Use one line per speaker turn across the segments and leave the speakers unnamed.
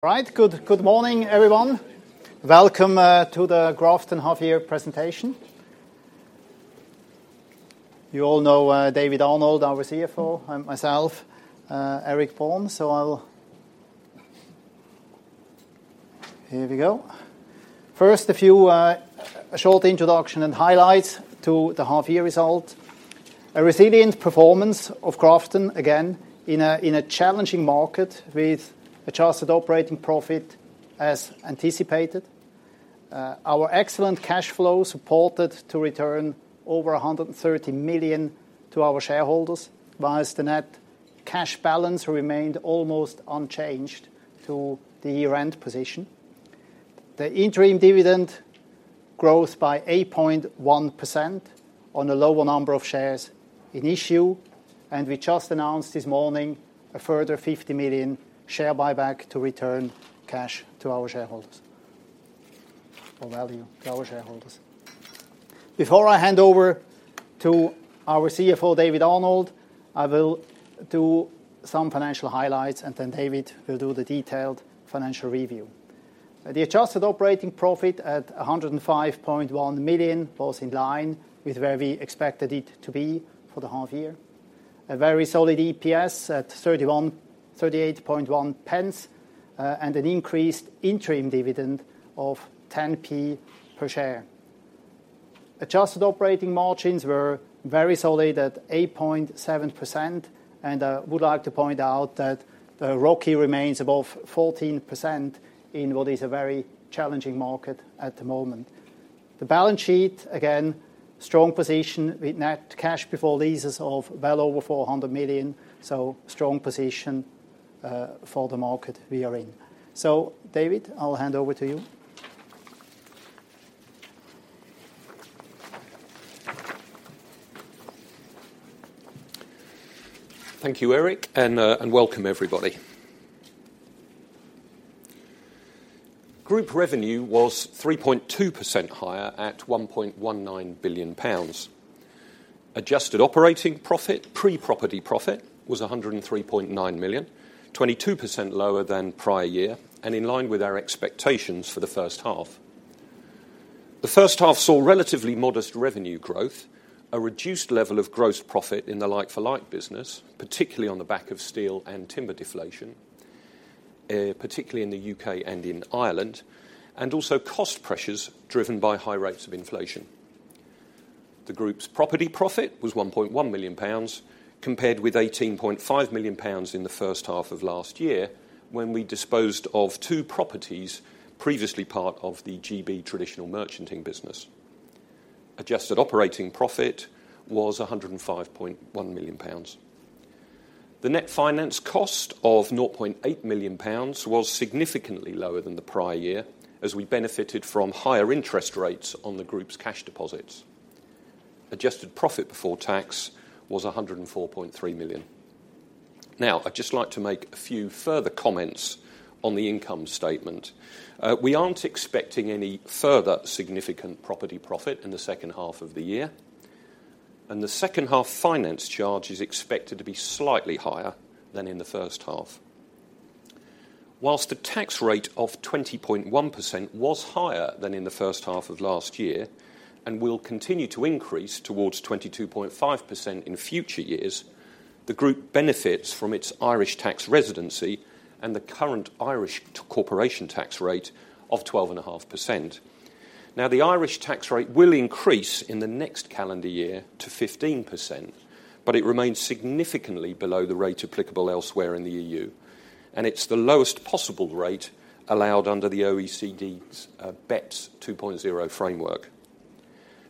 All right. Good morning, everyone. Welcome to the Grafton half year presentation. You all know David Arnold, our CFO, and myself, Eric Born. Here we go. First, a few short introduction and highlights to the half year result. A resilient performance of Grafton, again, in a challenging market with adjusted operating profit as anticipated. Our excellent cash flow supported to return over 130 million to our shareholders, whilst the net cash balance remained almost unchanged to the year-end position. The interim dividend growth by 8.1% on a lower number of shares in issue, and we just announced this morning a further 50 million share buyback to return cash to our shareholders, or value to our shareholders. Before I hand over to our CFO, David Arnold, I will do some financial highlights, and then David will do the detailed financial review. The adjusted operating profit of 105.1 million was in line with where we expected it to be for the half year. A very solid EPS of 0.381, and an increased interim dividend of 0.10 per share. Adjusted operating margins were very solid at 8.7%, and I would like to point out that the ROCE remains above 14% in what is a very challenging market at the moment. The balance sheet, again, strong position with net cash before leases of well over 400 million, so strong position for the market we are in. So, David, I'll hand over to you.
Thank you, Eric, and welcome, everybody. Group revenue was 3.2% higher at 1.19 billion pounds. Adjusted operating profit, pre-property profit, was 103.9 million, 22% lower than prior year and in line with our expectations for the first half. The first half saw relatively modest revenue growth, a reduced level of gross profit in the like-for-like business, particularly on the back of steel and timber deflation, particularly in the U.K. and in Ireland, and also cost pressures driven by high rates of inflation. The group's property profit was 1.1 million pounds, compared with 18.5 million pounds in the first half of last year, when we disposed of two properties, previously part of the G.B. traditional merchanting business. Adjusted operating profit was 105.1 million pounds. The net finance cost of 0.8 million pounds was significantly lower than the prior year, as we benefited from higher interest rates on the group's cash deposits. Adjusted profit before tax was 104.3 million. Now, I'd just like to make a few further comments on the income statement. We aren't expecting any further significant property profit in the second half of the year, and the second half finance charge is expected to be slightly higher than in the first half. While the tax rate of 20.1% was higher than in the first half of last year, and will continue to increase towards 22.5% in future years, the group benefits from its Irish tax residency and the current Irish corporation tax rate of 12.5%. Now, the Irish tax rate will increase in the next calendar year to 15%, but it remains significantly below the rate applicable elsewhere in the EU, and it's the lowest possible rate allowed under the OECD's BEPS 2.0 framework.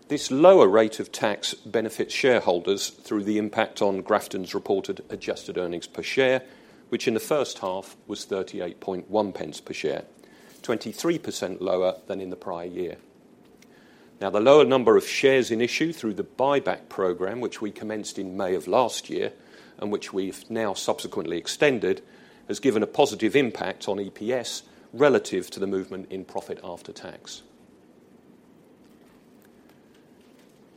This lower rate of tax benefits shareholders through the impact on Grafton's reported adjusted earnings per share, which in the first half was 0.381 per share, 23% lower than in the prior year. Now, the lower number of shares in issue through the buyback program, which we commenced in May of last year, and which we've now subsequently extended, has given a positive impact on EPS relative to the movement in profit after tax.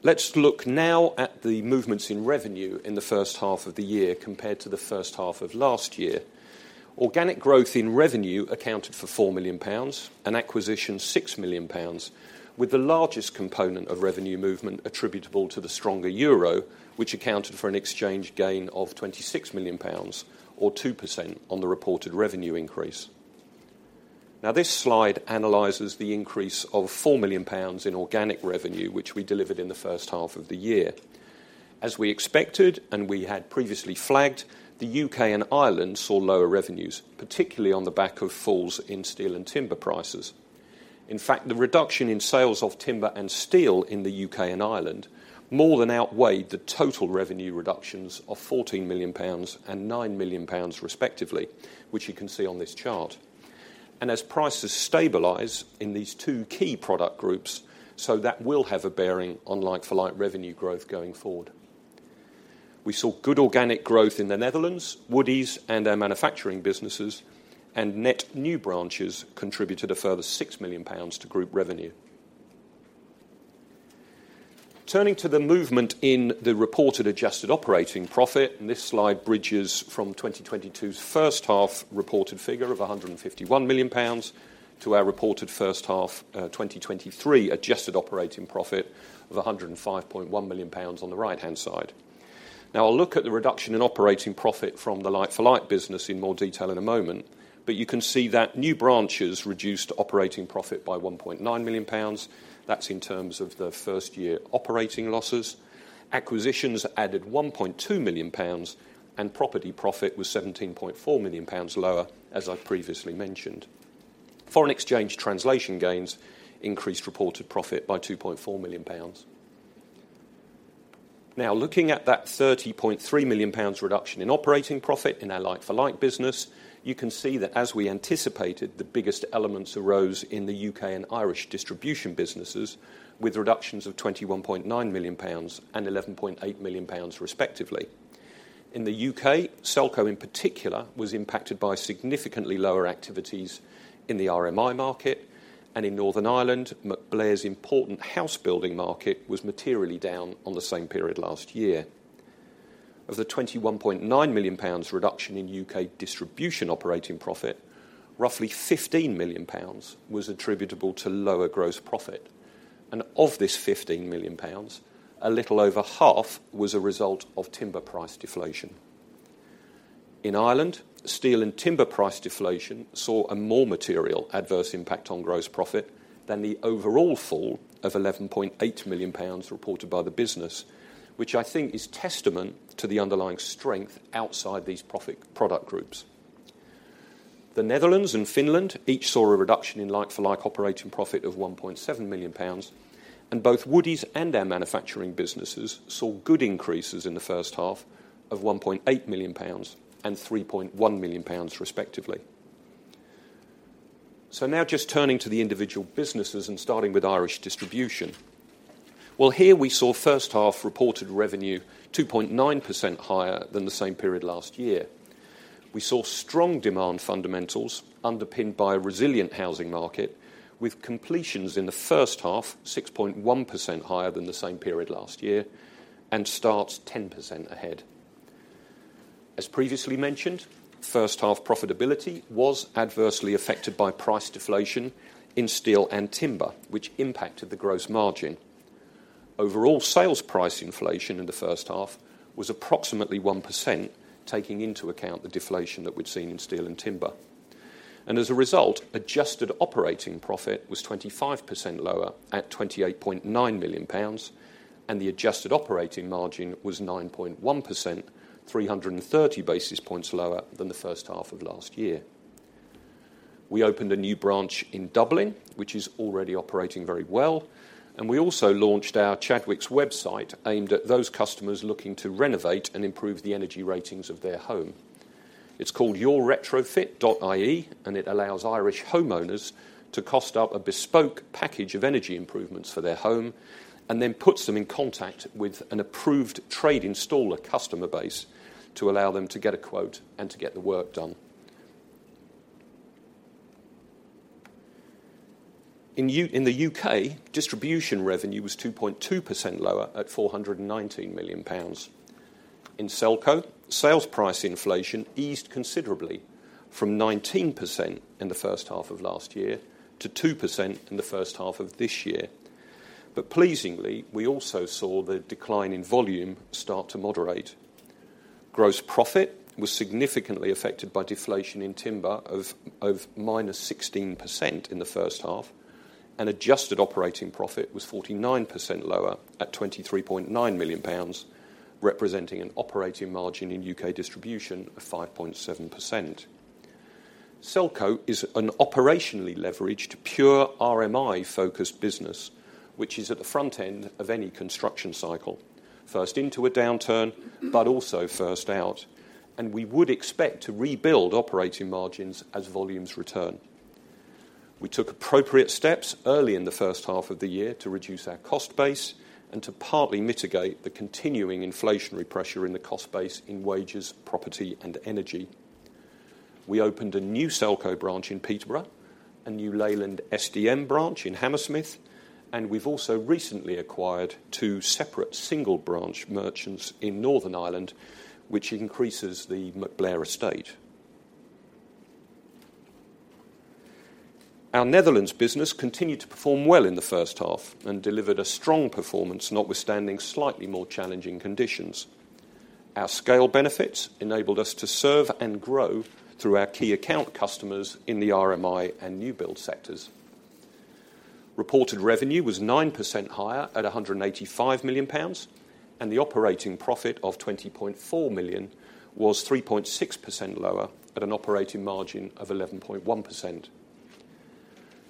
Let's look now at the movements in revenue in the first half of the year compared to the first half of last year. Organic growth in revenue accounted for 4 million pounds, and acquisition, 6 million pounds, with the largest component of revenue movement attributable to the stronger euro, which accounted for an exchange gain of 26 million pounds or 2% on the reported revenue increase. Now, this slide analyzes the increase of 4 million pounds in organic revenue, which we delivered in the first half of the year. As we expected, and we had previously flagged, the U.K. and Ireland saw lower revenues, particularly on the back of falls in steel and timber prices. In fact, the reduction in sales of timber and steel in the U.K. and Ireland more than outweighed the total revenue reductions of 14 million pounds and 9 million pounds, respectively, which you can see on this chart. As prices stabilize in these two key product groups, so that will have a bearing on like-for-like revenue growth going forward. We saw good organic growth in the Netherlands, Woodie's, and our manufacturing businesses, and net new branches contributed a further 6 million pounds to group revenue. Turning to the movement in the reported adjusted operating profit, and this slide bridges from 2022's first half reported figure of 151 million pounds, to our reported first half, 2023 adjusted operating profit of 105.1 million pounds on the right-hand side. Now, I'll look at the reduction in operating profit from the like-for-like business in more detail in a moment, but you can see that new branches reduced operating profit by 1.9 million pounds. That's in terms of the first-year operating losses. Acquisitions added 1.2 million pounds, and property profit was 17.4 million pounds lower, as I've previously mentioned. Foreign exchange translation gains increased reported profit by 2.4 million pounds. Now, looking at that 30.3 million pounds reduction in operating profit in our like-for-like business, you can see that as we anticipated, the biggest elements arose in the U.K. and Irish distribution businesses, with reductions of 21.9 million pounds and 11.8 million pounds, respectively. In the U.K., Selco, in particular, was impacted by significantly lower activities in the RMI market, and in Northern Ireland, MacBlair's important house building market was materially down on the same period last year. Of the 21.9 million pounds reduction in U.K. distribution operating profit, roughly 15 million pounds was attributable to lower gross profit. And of this 15 million pounds, a little over half was a result of timber price deflation. In Ireland, steel and timber price deflation saw a more material adverse impact on gross profit than the overall fall of 11.8 million pounds reported by the business, which I think is testament to the underlying strength outside these profit product groups. The Netherlands and Finland each saw a reduction in like-for-like operating profit of 1.7 million pounds, and both Woodie's and our manufacturing businesses saw good increases in the first half of GBP 1.8 million and GBP 3.1 million, respectively. So now just turning to the individual businesses and starting with Irish distribution. Well, here we saw first half reported revenue 2.9% higher than the same period last year. We saw strong demand fundamentals underpinned by a resilient housing market, with completions in the first half 6.1% higher than the same period last year, and starts 10% ahead. As previously mentioned, first half profitability was adversely affected by price deflation in steel and timber, which impacted the gross margin. Overall, sales price inflation in the first half was approximately 1%, taking into account the deflation that we've seen in steel and timber. And as a result, adjusted operating profit was 25% lower at 28.9 million pounds, and the adjusted operating margin was 9.1%, 330 basis points lower than the first half of last year. We opened a new branch in Dublin, which is already operating very well, and we also launched our Chadwicks website, aimed at those customers looking to renovate and improve the energy ratings of their home. It's called yourretrofit.ie, and it allows Irish homeowners to cost up a bespoke package of energy improvements for their home, and then puts them in contact with an approved trade installer customer base to allow them to get a quote and to get the work done. In the U.K., distribution revenue was 2.2% lower at 419 million pounds. In Selco, sales price inflation eased considerably from 19% in the first half of last year to 2% in the first half of this year. But pleasingly, we also saw the decline in volume start to moderate. Gross profit was significantly affected by deflation in timber of -16% in the first half, and adjusted operating profit was 49% lower at 23.9 million pounds, representing an operating margin in U.K. distribution of 5.7%. Selco is an operationally leveraged, pure RMI-focused business, which is at the front end of any construction cycle, first into a downturn, but also first out, and we would expect to rebuild operating margins as volumes return. We took appropriate steps early in the first half of the year to reduce our cost base and to partly mitigate the continuing inflationary pressure in the cost base in wages, property, and energy. We opened a new Selco branch in Peterborough, a new Leyland SDM branch in Hammersmith, and we've also recently acquired two separate single-branch merchants in Northern Ireland, which increases the MacBlair estate. Our Netherlands business continued to perform well in the first half and delivered a strong performance, notwithstanding slightly more challenging conditions. Our scale benefits enabled us to serve and grow through our key account customers in the RMI and new build sectors. Reported revenue was 9% higher at 185 million pounds, and the operating profit of 20.4 million was 3.6% lower at an operating margin of 11.1%.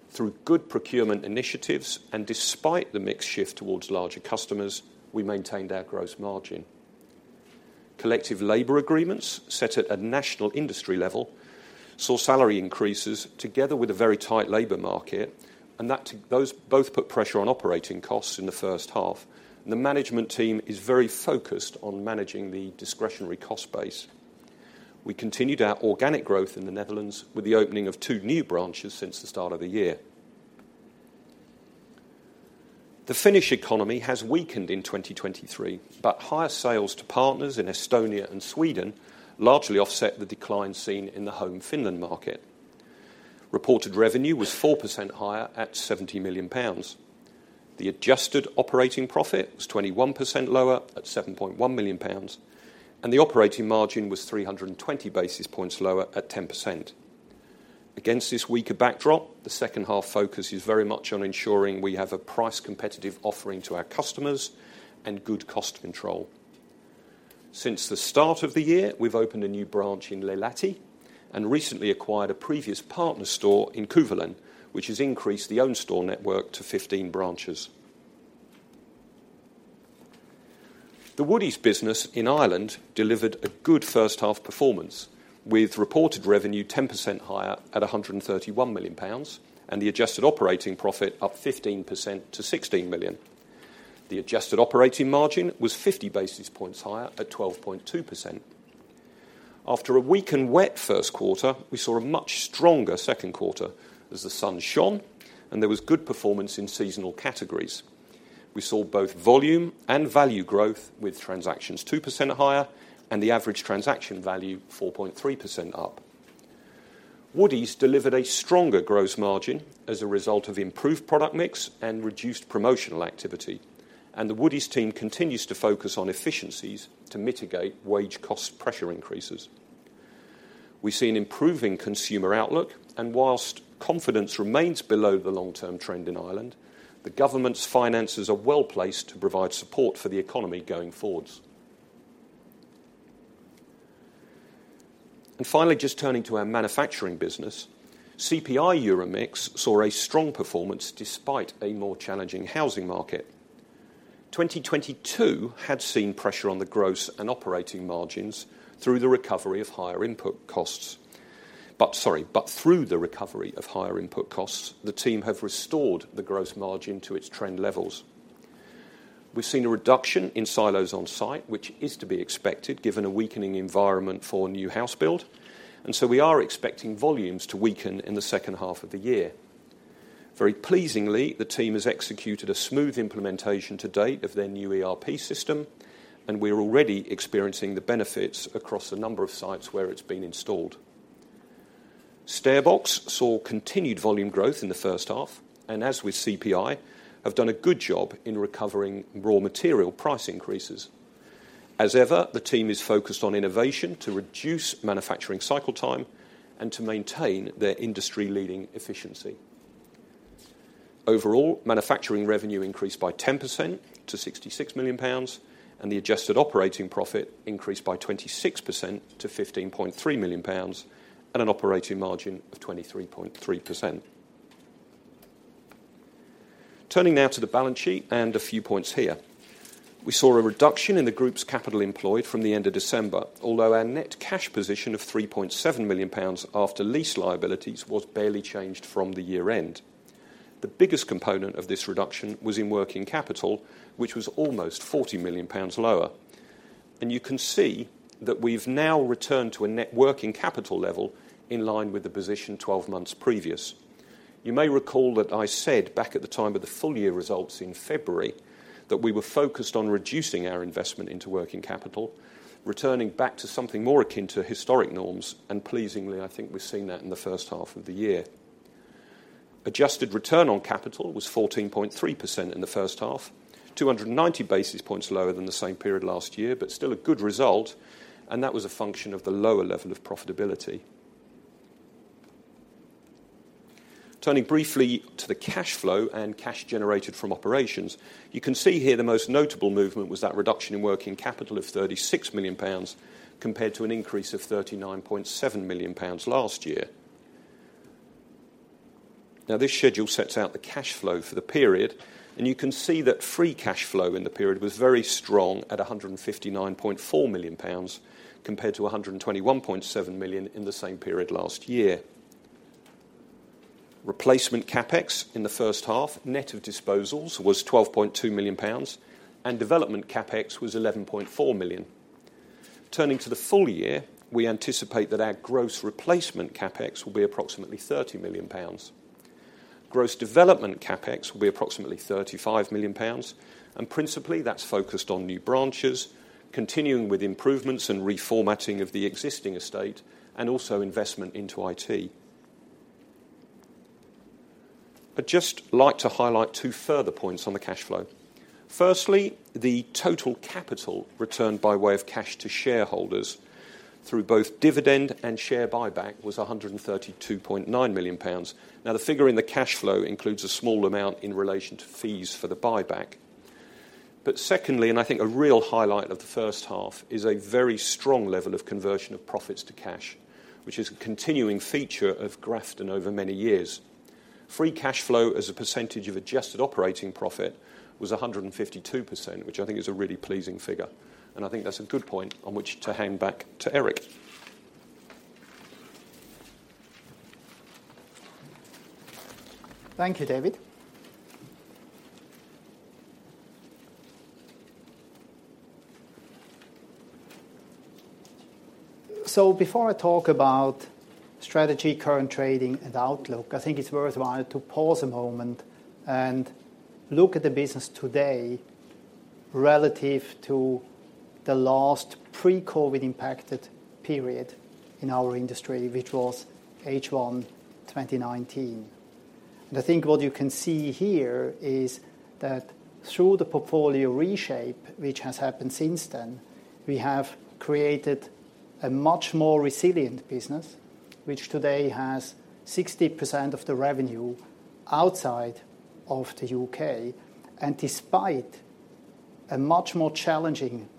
Through good procurement initiatives, and despite the mix shift towards larger customers, we maintained our gross margin. Collective labor agreements set at a national industry level, saw salary increases together with a very tight labor market, and that those both put pressure on operating costs in the first half. The management team is very focused on managing the discretionary cost base. We continued our organic growth in the Netherlands with the opening of two new branches since the start of the year. The Finnish economy has weakened in 2023, but higher sales to partners in Estonia and Sweden largely offset the decline seen in the home Finland market. Reported revenue was 4% higher at 70 million pounds. The adjusted operating profit was 21% lower at 7.1 million pounds, and the operating margin was 320 basis points lower at 10%. Against this weaker backdrop, the second half focus is very much on ensuring we have a price competitive offering to our customers and good cost control. Since the start of the year, we've opened a new branch in Lahti and recently acquired a previous partner store in Kuopio, which has increased the own store network to 15 branches. The Woodie's business in Ireland delivered a good first half performance, with reported revenue 10% higher at 131 million pounds, and the adjusted operating profit up 15% to 16 million. The adjusted operating margin was 50 basis points higher at 12.2%. After a weak and wet first quarter, we saw a much stronger second quarter as the sun shone and there was good performance in seasonal categories. We saw both volume and value growth, with transactions 2% higher and the average transaction value 4.3% up. Woodie's delivered a stronger gross margin as a result of improved product mix and reduced promotional activity, and the Woodie's team continues to focus on efficiencies to mitigate wage cost pressure increases. We see an improving consumer outlook, and while confidence remains below the long-term trend in Ireland, the government's finances are well-placed to provide support for the economy going forward. And finally, just turning to our manufacturing business, CPI EuroMix saw a strong performance despite a more challenging housing market. 2022 had seen pressure on the gross and operating margins through the recovery of higher input costs. But through the recovery of higher input costs, the team have restored the gross margin to its trend levels. We've seen a reduction in silos on site, which is to be expected, given a weakening environment for new house build, and so we are expecting volumes to weaken in the second half of the year. Very pleasingly, the team has executed a smooth implementation to date of their new ERP system, and we are already experiencing the benefits across a number of sites where it's been installed. StairBox saw continued volume growth in the first half, and as with CPI, have done a good job in recovering raw material price increases. As ever, the team is focused on innovation to reduce manufacturing cycle time and to maintain their industry-leading efficiency. Overall, manufacturing revenue increased by 10% to 66 million pounds, and the adjusted operating profit increased by 26% to 15.3 million pounds, at an operating margin of 23.3%. Turning now to the balance sheet and a few points here. We saw a reduction in the group's capital employed from the end of December, although our net cash position of 3.7 million pounds after lease liabilities was barely changed from the year-end. The biggest component of this reduction was in working capital, which was almost 40 million pounds lower. You can see that we've now returned to a net working capital level in line with the position 12 months previous. You may recall that I said back at the time of the full year results in February, that we were focused on reducing our investment into working capital, returning back to something more akin to historic norms, and pleasingly, I think we've seen that in the first half of the year. Adjusted return on capital was 14.3% in the first half, 290 basis points lower than the same period last year, but still a good result, and that was a function of the lower level of profitability. Turning briefly to the cash flow and cash generated from operations, you can see here the most notable movement was that reduction in working capital of 36 million pounds, compared to an increase of 39.7 million pounds last year. Now, this schedule sets out the cash flow for the period, and you can see that free cash flow in the period was very strong at 159.4 million pounds, compared to 121.7 million in the same period last year. Replacement CapEx in the first half, net of disposals, was 12.2 million pounds, and development CapEx was 11.4 million. Turning to the full year, we anticipate that our gross replacement CapEx will be approximately 30 million pounds. Gross development CapEx will be approximately 35 million pounds, and principally, that's focused on new branches, continuing with improvements and reformatting of the existing estate, and also investment into IT. I'd just like to highlight two further points on the cash flow. Firstly, the total capital returned by way of cash to shareholders through both dividend and share buyback was 132.9 million pounds. Now, the figure in the cash flow includes a small amount in relation to fees for the buyback. But secondly, and I think a real highlight of the first half, is a very strong level of conversion of profits to cash, which is a continuing feature of Grafton over many years. Free cash flow as a percentage of adjusted operating profit was 152%, which I think is a really pleasing figure, and I think that's a good point on which to hand back to Eric....
Thank you, David. So before I talk about strategy, current trading, and outlook, I think it's worthwhile to pause a moment and look at the business today relative to the last pre-COVID impacted period in our industry, which was H1 2019. And I think what you can see here is that through the portfolio reshape, which has happened since then, we have created a much more resilient business, which today has 60% of the revenue outside of the U.K., and despite a much more challenging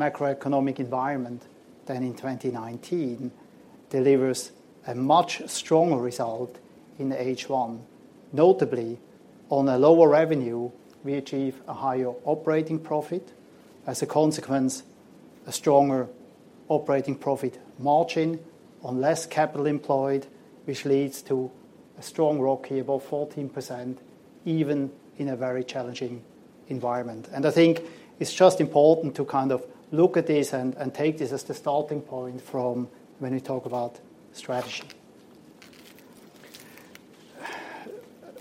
macroeconomic environment than in 2019, delivers a much stronger result in H1. Notably, on a lower revenue, we achieve a higher operating profit. As a consequence, a stronger operating profit margin on less capital employed, which leads to a strong ROCE above 14%, even in a very challenging environment. I think it's just important to kind of look at this and take this as the starting point from when we talk about strategy.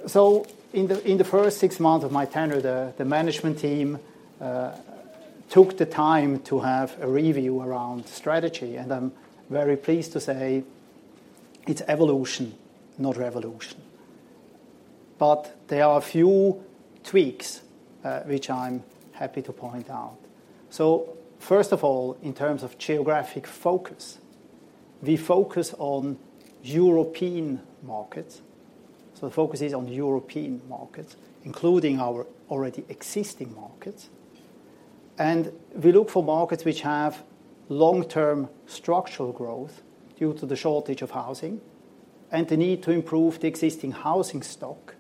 So in the first six months of my tenure, the management team took the time to have a review around strategy, and I'm very pleased to say it's evolution, not revolution. But there are a few tweaks, which I'm happy to point out. So first of all, in terms of geographic focus, we focus on European markets. So the focus is on European markets, including our already existing markets. And we look for markets which have long-term structural growth due to the shortage of housing and the need to improve the existing housing stock,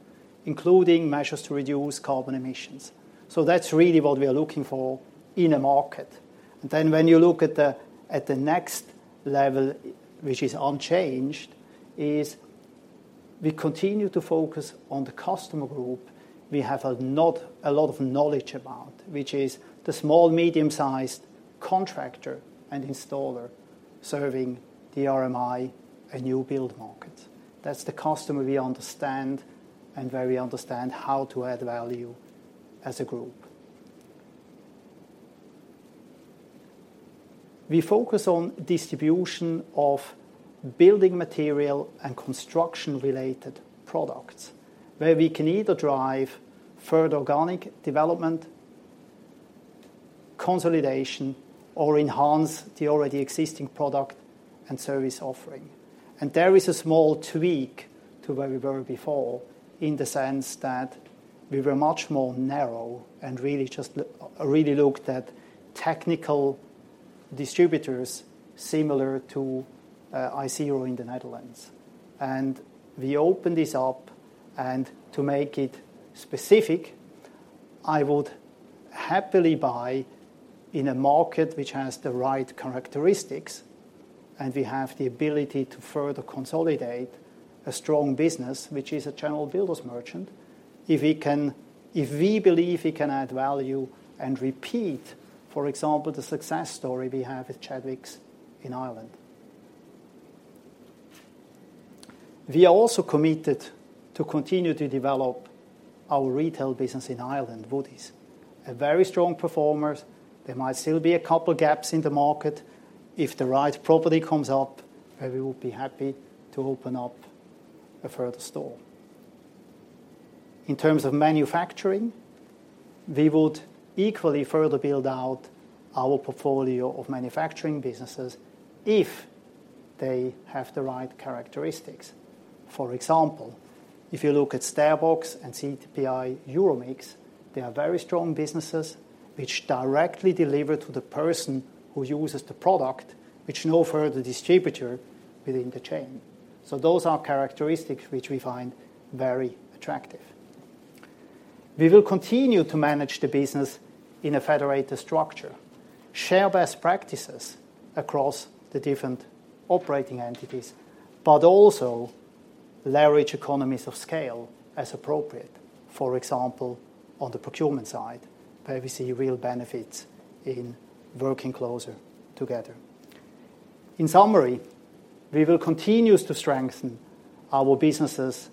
including measures to reduce carbon emissions. So that's really what we are looking for in a market. Then when you look at the, at the next level, which is unchanged, is we continue to focus on the customer group we have a lot of knowledge about, which is the small medium-sized contractor and installer serving the RMI and new build markets. That's the customer we understand and where we understand how to add value as a group. We focus on distribution of building material and construction-related products, where we can either drive further organic development, consolidation, or enhance the already existing product and service offering. And there is a small tweak to where we were before, in the sense that we were much more narrow and really just looked at technical distributors similar to Isero in the Netherlands. And we opened this up, and to make it specific, I would happily buy in a market which has the right characteristics, and we have the ability to further consolidate a strong business, which is a general builders merchant. If we believe we can add value and repeat, for example, the success story we have with Chadwicks in Ireland. We are also committed to continue to develop our retail business in Ireland, Woodie's. A very strong performer. There might still be a couple of gaps in the market. If the right property comes up, then we will be happy to open up a further store. In terms of manufacturing, we would equally further build out our portfolio of manufacturing businesses if they have the right characteristics. For example, if you look at StairBox and CPI EuroMix, they are very strong businesses which directly deliver to the person who uses the product, which no further distributor within the chain. So those are characteristics which we find very attractive. We will continue to manage the business in a federated structure, share best practices across the different operating entities, but also leverage economies of scale as appropriate. For example, on the procurement side, where we see real benefits in working closer together. In summary, we will continue to strengthen our businesses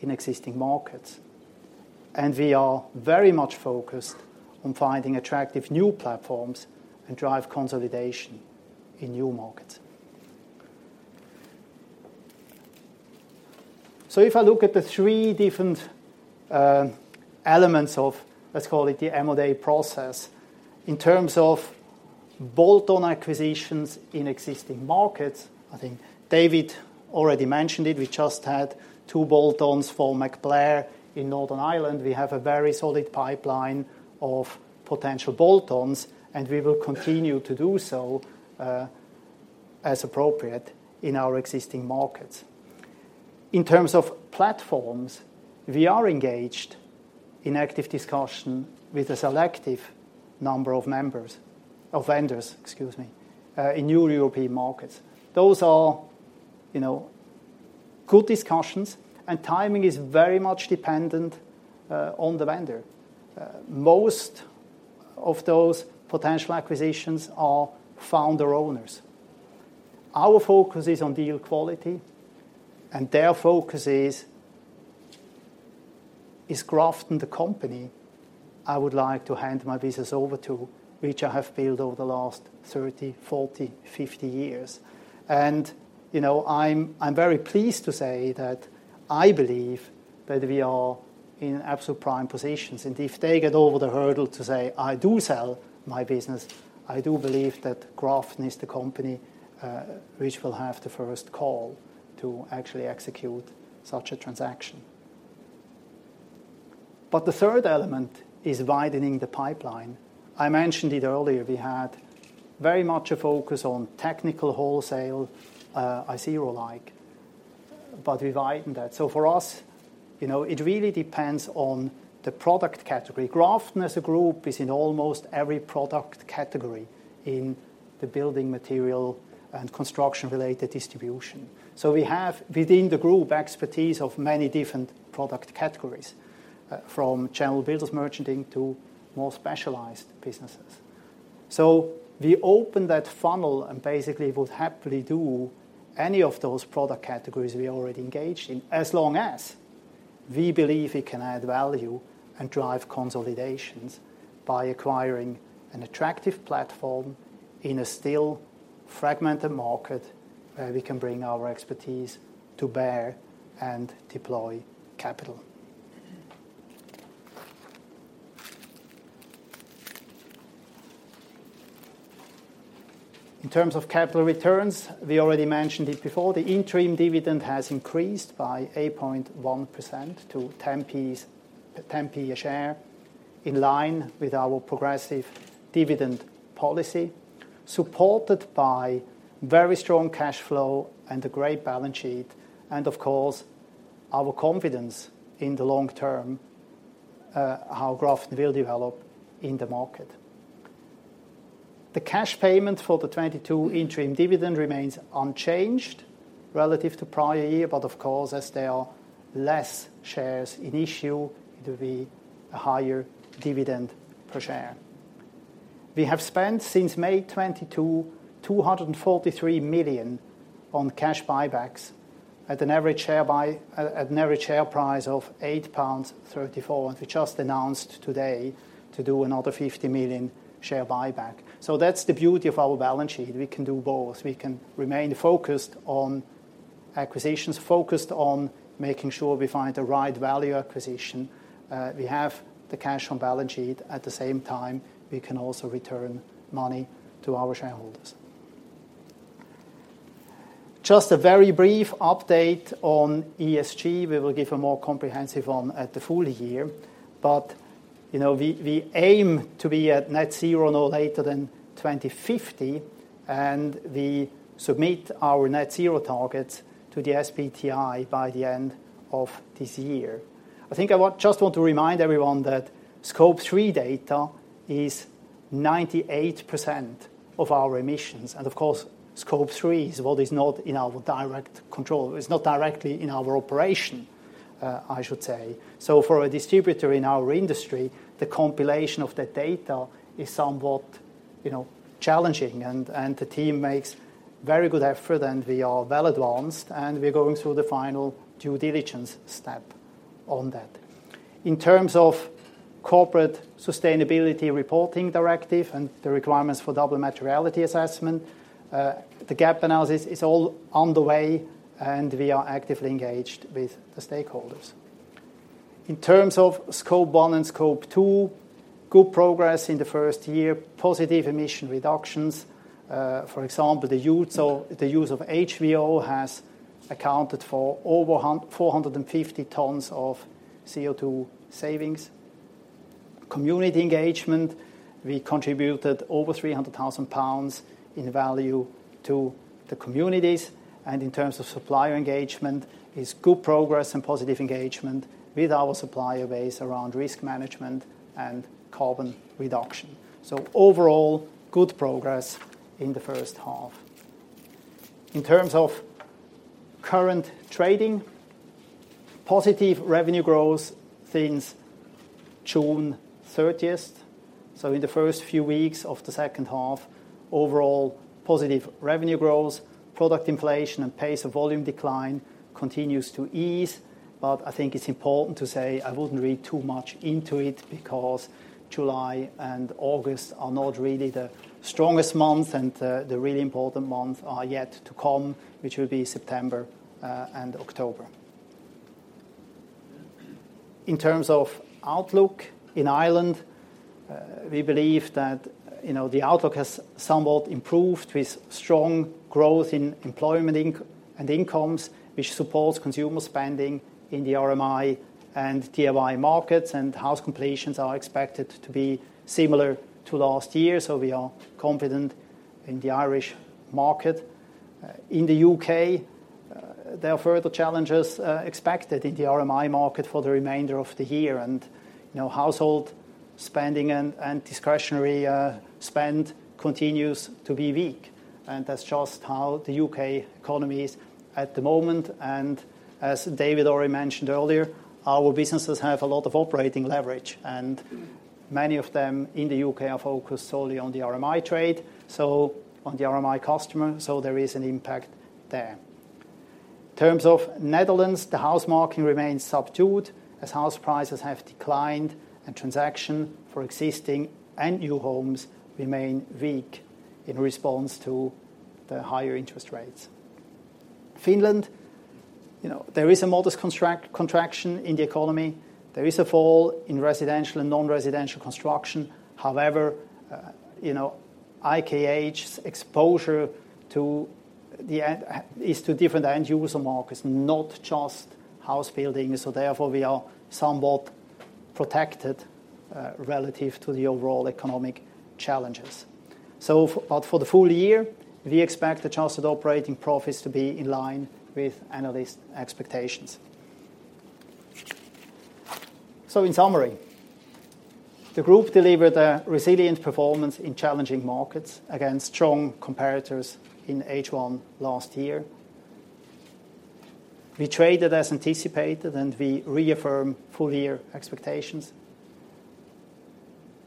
in existing markets, and we are very much focused on finding attractive new platforms and drive consolidation in new markets. So if I look at the three different elements of, let's call it the M&A process, in terms of bolt-on acquisitions in existing markets, I think David already mentioned it, we just had two bolt-ons for MacBlair in Northern Ireland. We have a very solid pipeline of potential bolt-ons, and we will continue to do so as appropriate in our existing markets. In terms of platforms, we are engaged in active discussion with a selective number of vendors, excuse me, in new European markets. Those are, you know, good discussions, and timing is very much dependent on the vendor. Most of those potential acquisitions are founder owners. Our focus is on deal quality, and their focus is, is Grafton the company I would like to hand my business over to, which I have built over the last 30, 40, 50 years? You know, I'm, I'm very pleased to say that I believe that we are in absolute prime positions, and if they get over the hurdle to say, "I do sell my business," I do believe that Grafton is the company which will have the first call to actually execute such a transaction. But the third element is widening the pipeline. I mentioned it earlier, we had very much a focus on technical wholesale, Isero-like, but we widened that. So for us, you know, it really depends on the product category. Grafton as a group is in almost every product category in the building material and construction-related distribution. So we have, within the group, expertise of many different product categories, from general business merchanting to more specialized businesses. So we opened that funnel and basically would happily do any of those product categories we already engaged in, as long as we believe we can add value and drive consolidations by acquiring an attractive platform in a still fragmented market, we can bring our expertise to bear and deploy capital. In terms of capital returns, we already mentioned it before, the interim dividend has increased by 8.1% to 10p a share, in line with our progressive dividend policy, supported by very strong cash flow and a great balance sheet, and of course, our confidence in the long term, how Grafton will develop in the market. The cash payment for the 2022 interim dividend remains unchanged relative to prior year, but of course, as there are less shares in issue, it will be a higher dividend per share. We have spent, since May 2022, 243 million on cash buybacks, at an average share price of 8.34 pounds. We just announced today to do another 50 million share buyback. So that's the beauty of our balance sheet. We can do both. We can remain focused on acquisitions, focused on making sure we find the right value acquisition. We have the cash on balance sheet. At the same time, we can also return money to our shareholders. Just a very brief update on ESG. We will give a more comprehensive one at the full year. But, you know, we, we aim to be at net zero no later than 2050, and we submit our net zero target to the SBTi by the end of this year. I just want to remind everyone that Scope three data is 98% of our emissions, and of course, Scope three is what is not in our direct control. It's not directly in our operation, I should say. So for a distributor in our industry, the compilation of the data is somewhat, you know, challenging, and the team makes very good effort, and we are well advanced, and we're going through the final due diligence step on that. In terms of Corporate Sustainability Reporting Directive and the requirements for Double Materiality Assessment, the gap analysis is all on the way, and we are actively engaged with the stakeholders. In terms of Scope one and Scope two, good progress in the first year, positive emission reductions. For example, the use of, the use of HVO has accounted for over 450 tons of CO2 savings. Community engagement, we contributed over 300,000 pounds in value to the communities, and in terms of supplier engagement, is good progress and positive engagement with our supplier base around risk management and carbon reduction. So overall, good progress in the first half. In terms of current trading, positive revenue growth since June 30th. So in the first few weeks of the second half, overall positive revenue growth, product inflation and pace of volume decline continues to ease. But I think it's important to say I wouldn't read too much into it, because July and August are not really the strongest months, and the really important months are yet to come, which will be September and October. In terms of outlook in Ireland, we believe that, you know, the outlook has somewhat improved with strong growth in employment and incomes, which supports consumer spending in the RMI and TMI markets, and house completions are expected to be similar to last year, so we are confident in the Irish market. In the U.K.-... there are further challenges expected in the RMI market for the remainder of the year. You know, household spending and discretionary spend continues to be weak, and that's just how the U.K. economy is at the moment. As David already mentioned earlier, our businesses have a lot of operating leverage, and many of them in the U.K. are focused solely on the RMI trade, so on the RMI customer, so there is an impact there. In terms of Netherlands, the house market remains subdued as house prices have declined, and transaction for existing and new homes remain weak in response to the higher interest rates. Finland, you know, there is a modest contraction in the economy. There is a fall in residential and non-residential construction. However, you know, IKH's exposure to the end is to different end user markets, not just house building, so therefore, we are somewhat protected relative to the overall economic challenges. So but for the full year, we expect the adjusted operating profits to be in line with analyst expectations. So in summary, the group delivered a resilient performance in challenging markets against strong comparators in H1 last year. We traded as anticipated, and we reaffirm full year expectations.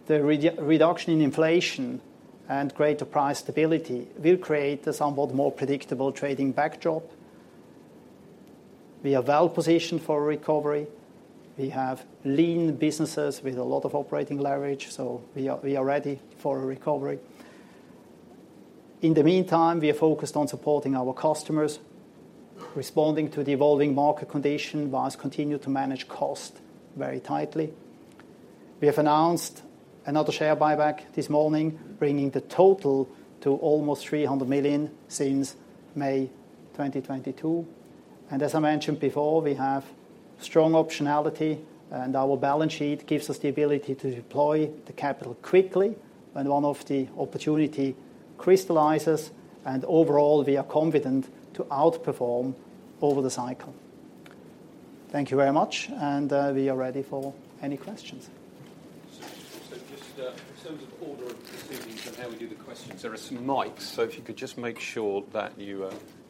The reduction in inflation and greater price stability will create a somewhat more predictable trading backdrop. We are well positioned for a recovery. We have lean businesses with a lot of operating leverage, so we are, we are ready for a recovery. In the meantime, we are focused on supporting our customers, responding to the evolving market condition, whilst continue to manage cost very tightly. We have announced another share buyback this morning, bringing the total to almost 300 million since May 2022. As I mentioned before, we have strong optionality, and our balance sheet gives us the ability to deploy the capital quickly when one of the opportunity crystallizes, and overall, we are confident to outperform over the cycle. Thank you very much, and we are ready for any questions.
So just, in terms of order of proceedings and how we do the questions, there are some mics. So if you could just make sure that you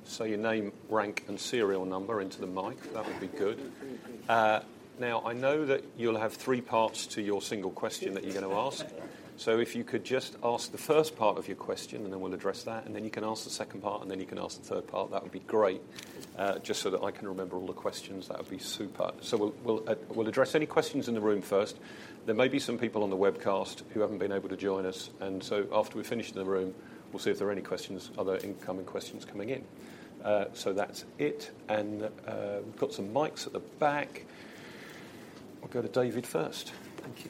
say your name, rank, and serial number into the mic, that would be good. Now, I know that you'll have three parts to your single question that you're gonna ask. So if you could just ask the first part of your question, and then we'll address that, and then you can ask the second part, and then you can ask the third part, that would be great. Just so that I can remember all the questions, that would be super. So we'll address any questions in the room first. There may be some people on the webcast who haven't been able to join us, and so after we finish in the room, we'll see if there are any questions, other incoming questions coming in. So that's it, and, we've got some mics at the back. We'll go to David first. Thank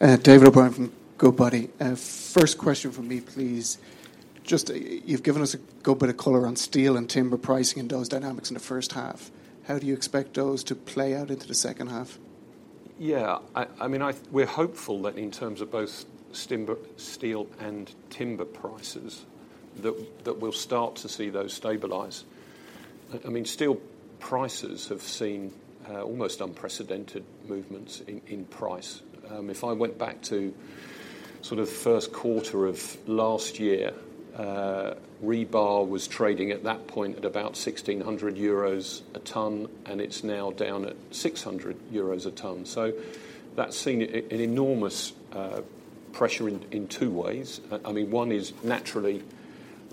you.
David O'Brien from Goodbody. First question from me, please. Just, you've given us a good bit of color on steel and timber pricing and those dynamics in the first half. How do you expect those to play out into the second half?
Yeah, I mean, we're hopeful that in terms of both timber, steel and timber prices, that we'll start to see those stabilize. I mean, steel prices have seen almost unprecedented movements in price. If I went back to sort of first quarter of last year, rebar was trading at that point at about 1,600 euros a ton, and it's now down at 600 euros a ton. So that's seen an enormous pressure in two ways. I mean, one is naturally,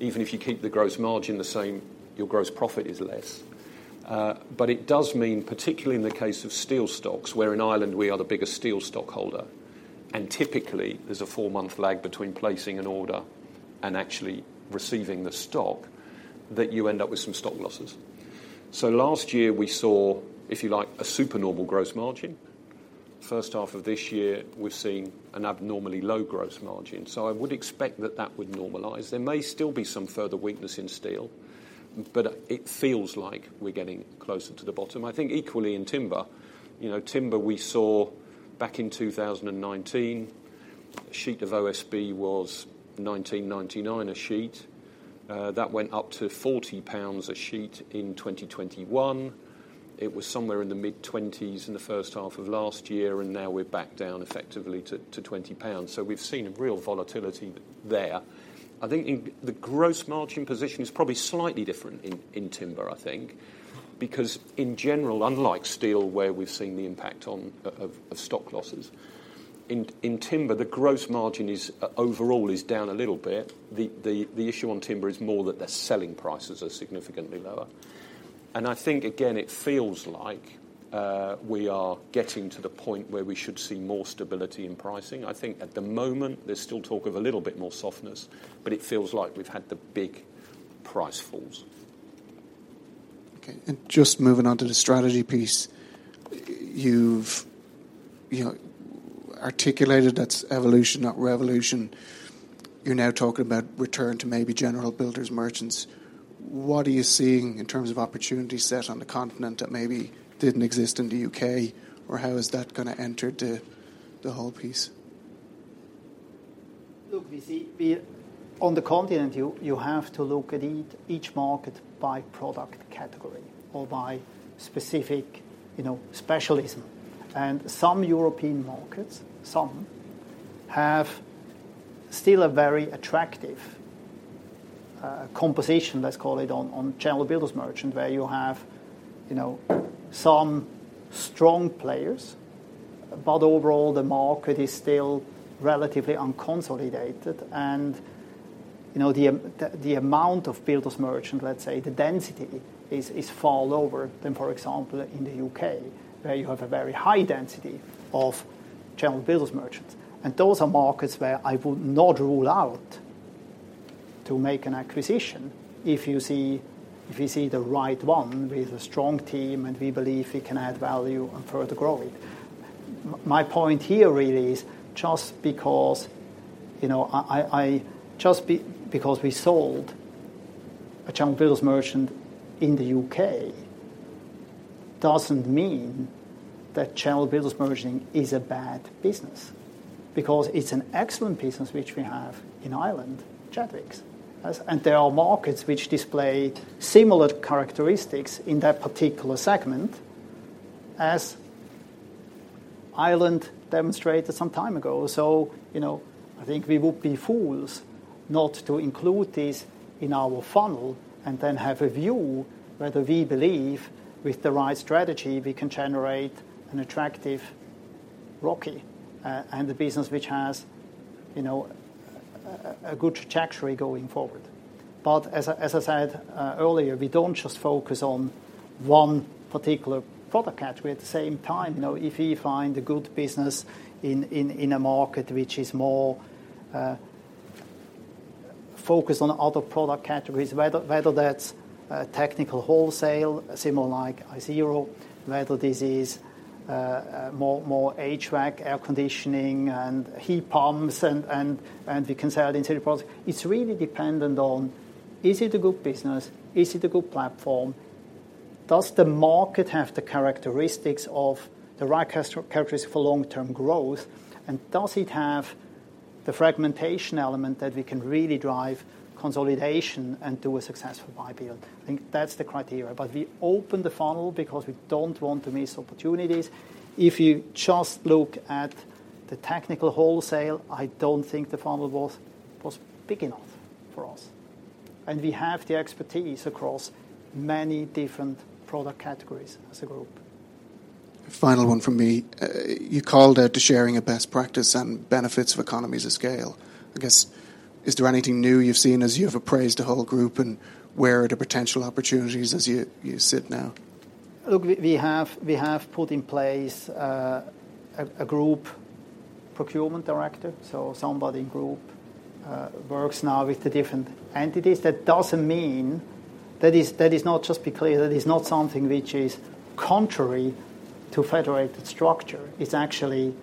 even if you keep the gross margin the same, your gross profit is less. But it does mean, particularly in the case of steel stocks, where in Ireland, we are the biggest steel stock holder, and typically, there's a four-month lag between placing an order and actually receiving the stock, that you end up with some stock losses. So last year we saw, if you like, a super normal gross margin. First half of this year, we've seen an abnormally low gross margin. So I would expect that that would normalize. There may still be some further weakness in steel, but it feels like we're getting closer to the bottom. I think equally in timber, you know, timber, we saw back in 2019, a sheet of OSB was 19.99 a sheet. That went up to 40 pounds a sheet in 2021. It was somewhere in the mid-20s in the first half of last year, and now we're back down effectively to GBP 20. So we've seen a real volatility there. I think the gross margin position is probably slightly different in timber, I think. Because in general, unlike steel, where we've seen the impact of stock losses, in timber, the gross margin overall is down a little bit. The issue on timber is more that the selling prices are significantly lower. And I think, again, it feels like we are getting to the point where we should see more stability in pricing. I think at the moment, there's still talk of a little bit more softness, but it feels like we've had the big price falls.
Okay, and just moving on to the strategy piece. You've, you know, articulated that's evolution, not revolution. You're now talking about return to maybe general builders merchants. What are you seeing in terms of opportunity set on the continent that maybe didn't exist in the U.K., or how is that gonna enter the whole piece?...
Look, you see, we on the continent, you have to look at each market by product category or by specific, you know, specialism. And some European markets, some have still a very attractive composition, let's call it, on channel builders merchant, where you have, you know, some strong players. But overall, the market is still relatively unconsolidated. And, you know, the the amount of builders merchant, let's say the density, is far lower than, for example, in the U.K., where you have a very high density of channel builders merchants. And those are markets where I would not rule out to make an acquisition if we see the right one with a strong team, and we believe we can add value and further grow it. My point here really is just because, you know, I just because we sold a chain builders merchant in the U.K. doesn't mean that chain builders merchant is a bad business, because it's an excellent business, which we have in Ireland, Chadwicks. And there are markets which display similar characteristics in that particular segment, as Ireland demonstrated some time ago. So, you know, I think we would be fools not to include this in our funnel and then have a view whether we believe with the right strategy, we can generate an attractive ROCE, and a business which has, you know, a good trajectory going forward. But as I said earlier, we don't just focus on one particular product category. At the same time, you know, if we find a good business in a market which is more focused on other product categories, whether that's technical wholesale, similar like Isero, whether this is more HVAC, air conditioning and heat pumps and we can sell the interior products. It's really dependent on, is it a good business? Is it a good platform? Does the market have the characteristics of the right characteristics for long-term growth? And does it have the fragmentation element that we can really drive consolidation and do a successful buy build? I think that's the criteria. But we open the funnel because we don't want to miss opportunities. If you just look at the technical wholesale, I don't think the funnel was big enough for us. We have the expertise across many different product categories as a group.
Final one from me. You called out to sharing a best practice and benefits of economies of scale. I guess, is there anything new you've seen as you have appraised the whole group, and where are the potential opportunities as you sit now?
Look, we have put in place a group procurement director. So somebody group works now with the different entities. That doesn't mean... That is, that is not, just to be clear, that is not something which is contrary to federated structure. It's actually,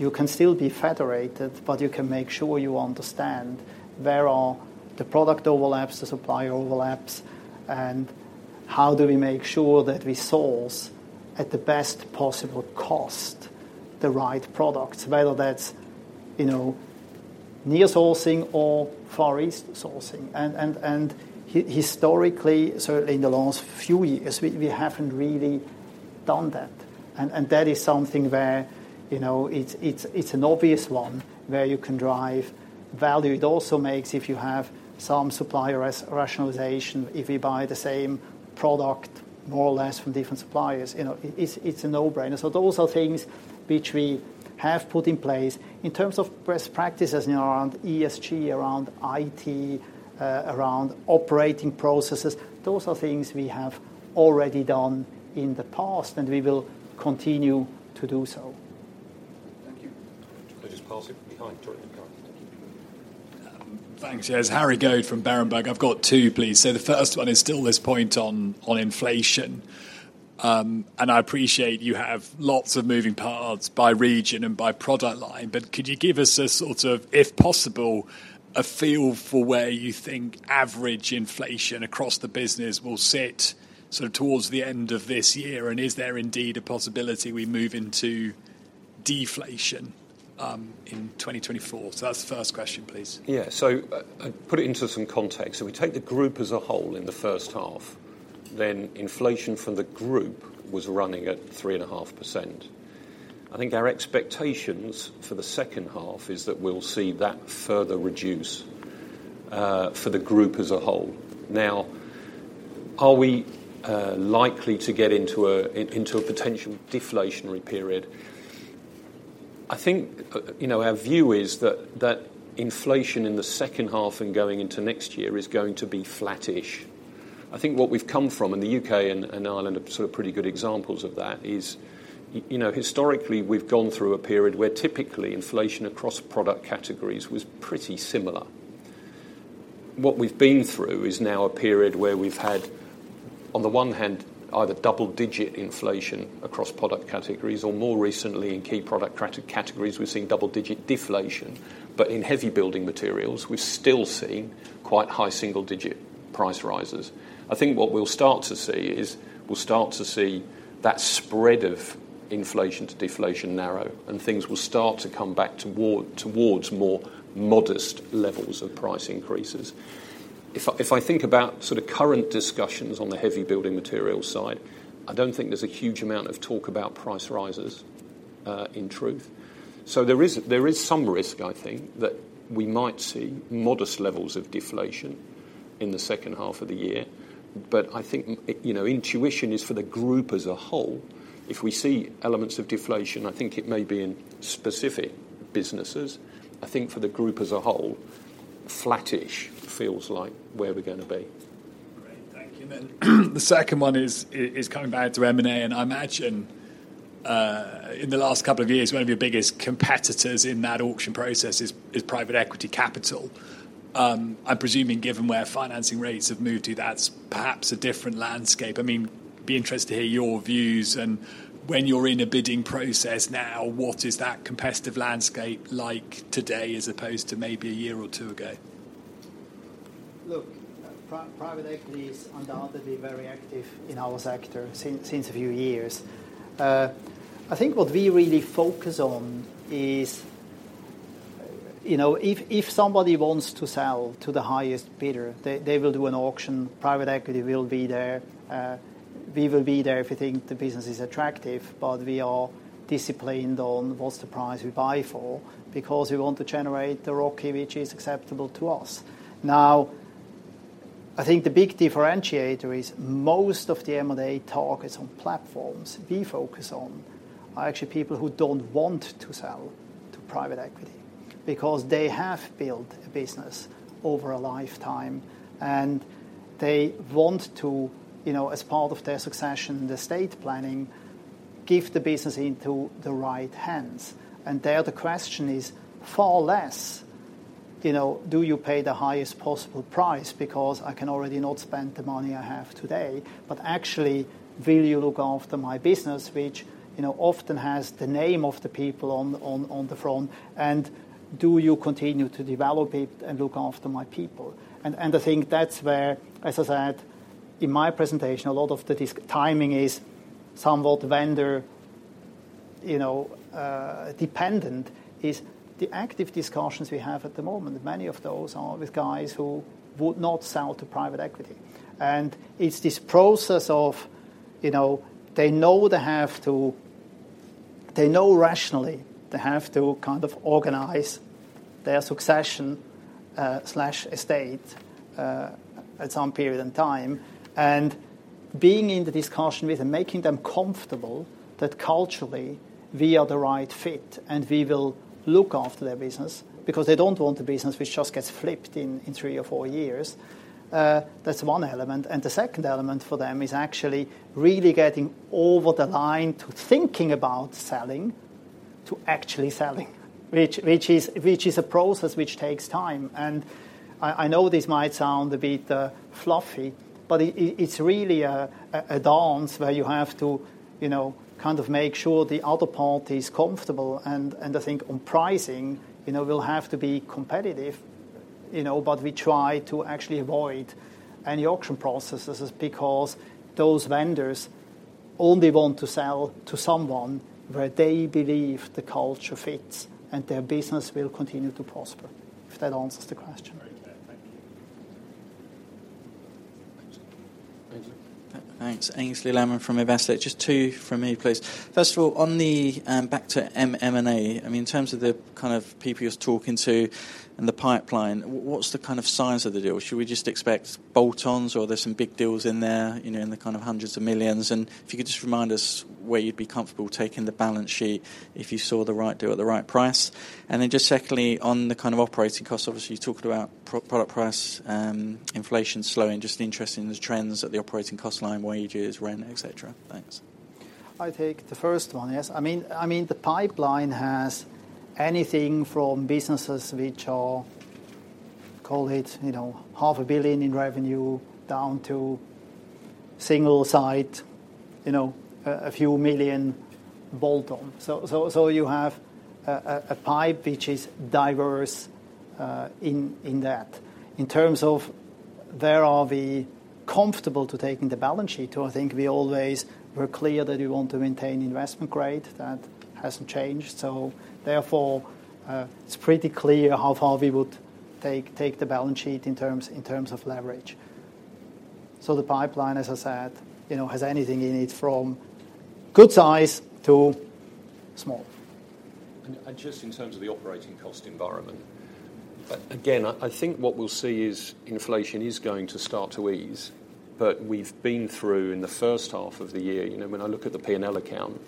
you can still be federated, but you can make sure you understand where are the product overlaps, the supply overlaps, and how do we make sure that we source at the best possible cost, the right products, whether that's, you know, near sourcing or Far East sourcing. And historically, certainly in the last few years, we haven't really done that. And that is something where, you know, it's an obvious one where you can drive value. It also makes, if you have some supplier rationalization, if you buy the same product, more or less from different suppliers, you know, it's, it's a no-brainer. So those are things which we have put in place. In terms of best practices, you know, around ESG, around IT, around operating processes, those are things we have already done in the past, and we will continue to do so.
Thank you.
Can I just pass it behind to him now?
Thanks. Yes, Harry Goad from Berenberg. I've got two, please. So the first one is still this point on, on inflation. And I appreciate you have lots of moving parts by region and by product line, but could you give us a sort of, if possible, a feel for where you think average inflation across the business will sit sort of towards the end of this year? And is there indeed a possibility we move into deflation in 2024? So that's the first question, please.
Yeah. So, I'll put it into some context. So we take the group as a whole in the first half, then inflation for the group was running at 3.5%. I think our expectations for the second half is that we'll see that further reduce for the group as a whole. Now, are we likely to get into a potential deflationary period? I think, you know, our view is that inflation in the second half and going into next year is going to be flattish. I think what we've come from, and the U.K. and Ireland are sort of pretty good examples of that, is you know, historically, we've gone through a period where typically inflation across product categories was pretty similar. What we've been through is now a period where we've had, on the one hand, either double-digit inflation across product categories, or more recently, in key product categories, we've seen double-digit deflation. But in heavy building materials, we've still seen quite high single-digit inflation price rises. I think what we'll start to see is, we'll start to see that spread of inflation to deflation narrow, and things will start to come back toward, towards more modest levels of price increases. If I, if I think about sort of current discussions on the heavy building materials side, I don't think there's a huge amount of talk about price rises, in truth. So there is, there is some risk, I think, that we might see modest levels of deflation in the second half of the year. But I think, you know, intuition is for the group as a whole. If we see elements of deflation, I think it may be in specific businesses. I think for the group as a whole, flattish feels like where we're gonna be.
Great, thank you. The second one is, is coming back to M&A, and I imagine, in the last couple of years, one of your biggest competitors in that auction process is, is private equity capital. I'm presuming, given where financing rates have moved to, that's perhaps a different landscape. I mean, be interested to hear your views, and when you're in a bidding process now, what is that competitive landscape like today, as opposed to maybe a year or two ago?
Look, private equity is undoubtedly very active in our sector since a few years. I think what we really focus on is... You know, if somebody wants to sell to the highest bidder, they will do an auction. Private equity will be there. We will be there if we think the business is attractive, but we are disciplined on what's the price we buy for, because we want to generate the ROCE which is acceptable to us. Now, I think the big differentiator is most of the M&A talk is on platforms. We focus on are actually people who don't want to sell to private equity because they have built a business over a lifetime, and they want to, you know, as part of their succession, the estate planning, give the business into the right hands. And there, the question is far less, you know, do you pay the highest possible price? Because I can already not spend the money I have today, but actually, will you look after my business, which, you know, often has the name of the people on the front, and do you continue to develop it and look after my people? And I think that's where, as I said in my presentation, a lot of the discussion timing is somewhat vendor, you know, dependent, is the active discussions we have at the moment. Many of those are with guys who would not sell to private equity. And it's this process of, you know, they know rationally they have to kind of organize their succession slash estate at some period in time, and being in the discussion with, and making them comfortable that culturally, we are the right fit, and we will look after their business because they don't want a business which just gets flipped in three or four years. That's one element, and the second element for them is actually really getting over the line to thinking about selling, to actually selling, which is a process which takes time. And I know this might sound a bit fluffy, but it's really a dance where you have to, you know, kind of make sure the other party is comfortable. And I think on pricing, you know, we'll have to be competitive, you know, but we try to actually avoid any auction processes because those vendors only want to sell to someone where they believe the culture fits, and their business will continue to prosper, if that answers the question.
All right. Thank you.
Thank you.
Thanks. Aynsley Lammin from Investec. Just two from me, please. First of all, on the back to M&A, I mean, in terms of the kind of people you're talking to and the pipeline, what's the kind of size of the deal? Should we just expect bolt-ons or there's some big deals in there, you know, in the kind of hundreds of millions GBP? And if you could just remind us where you'd be comfortable taking the balance sheet, if you saw the right deal at the right price. And then just secondly, on the kind of operating costs, obviously, you talked about pro-product price and inflation slowing, just interested in the trends at the operating cost line, wages, rent, etc. Thanks.
I take the first one. Yes. I mean, the pipeline has anything from businesses which are, call it, you know, 500 million in revenue, down to single site, you know, a few million bolt-on. So you have a pipe which is diverse in that. In terms of where are we comfortable to taking the balance sheet to, I think we always were clear that we want to maintain investment grade. That hasn't changed. So therefore, it's pretty clear how far we would take the balance sheet in terms of leverage. So the pipeline, as I said, you know, has anything in it, from good size to small.
Just in terms of the operating cost environment, again, I think what we'll see is inflation is going to start to ease, but we've been through in the first half of the year. You know, when I look at the P&L account,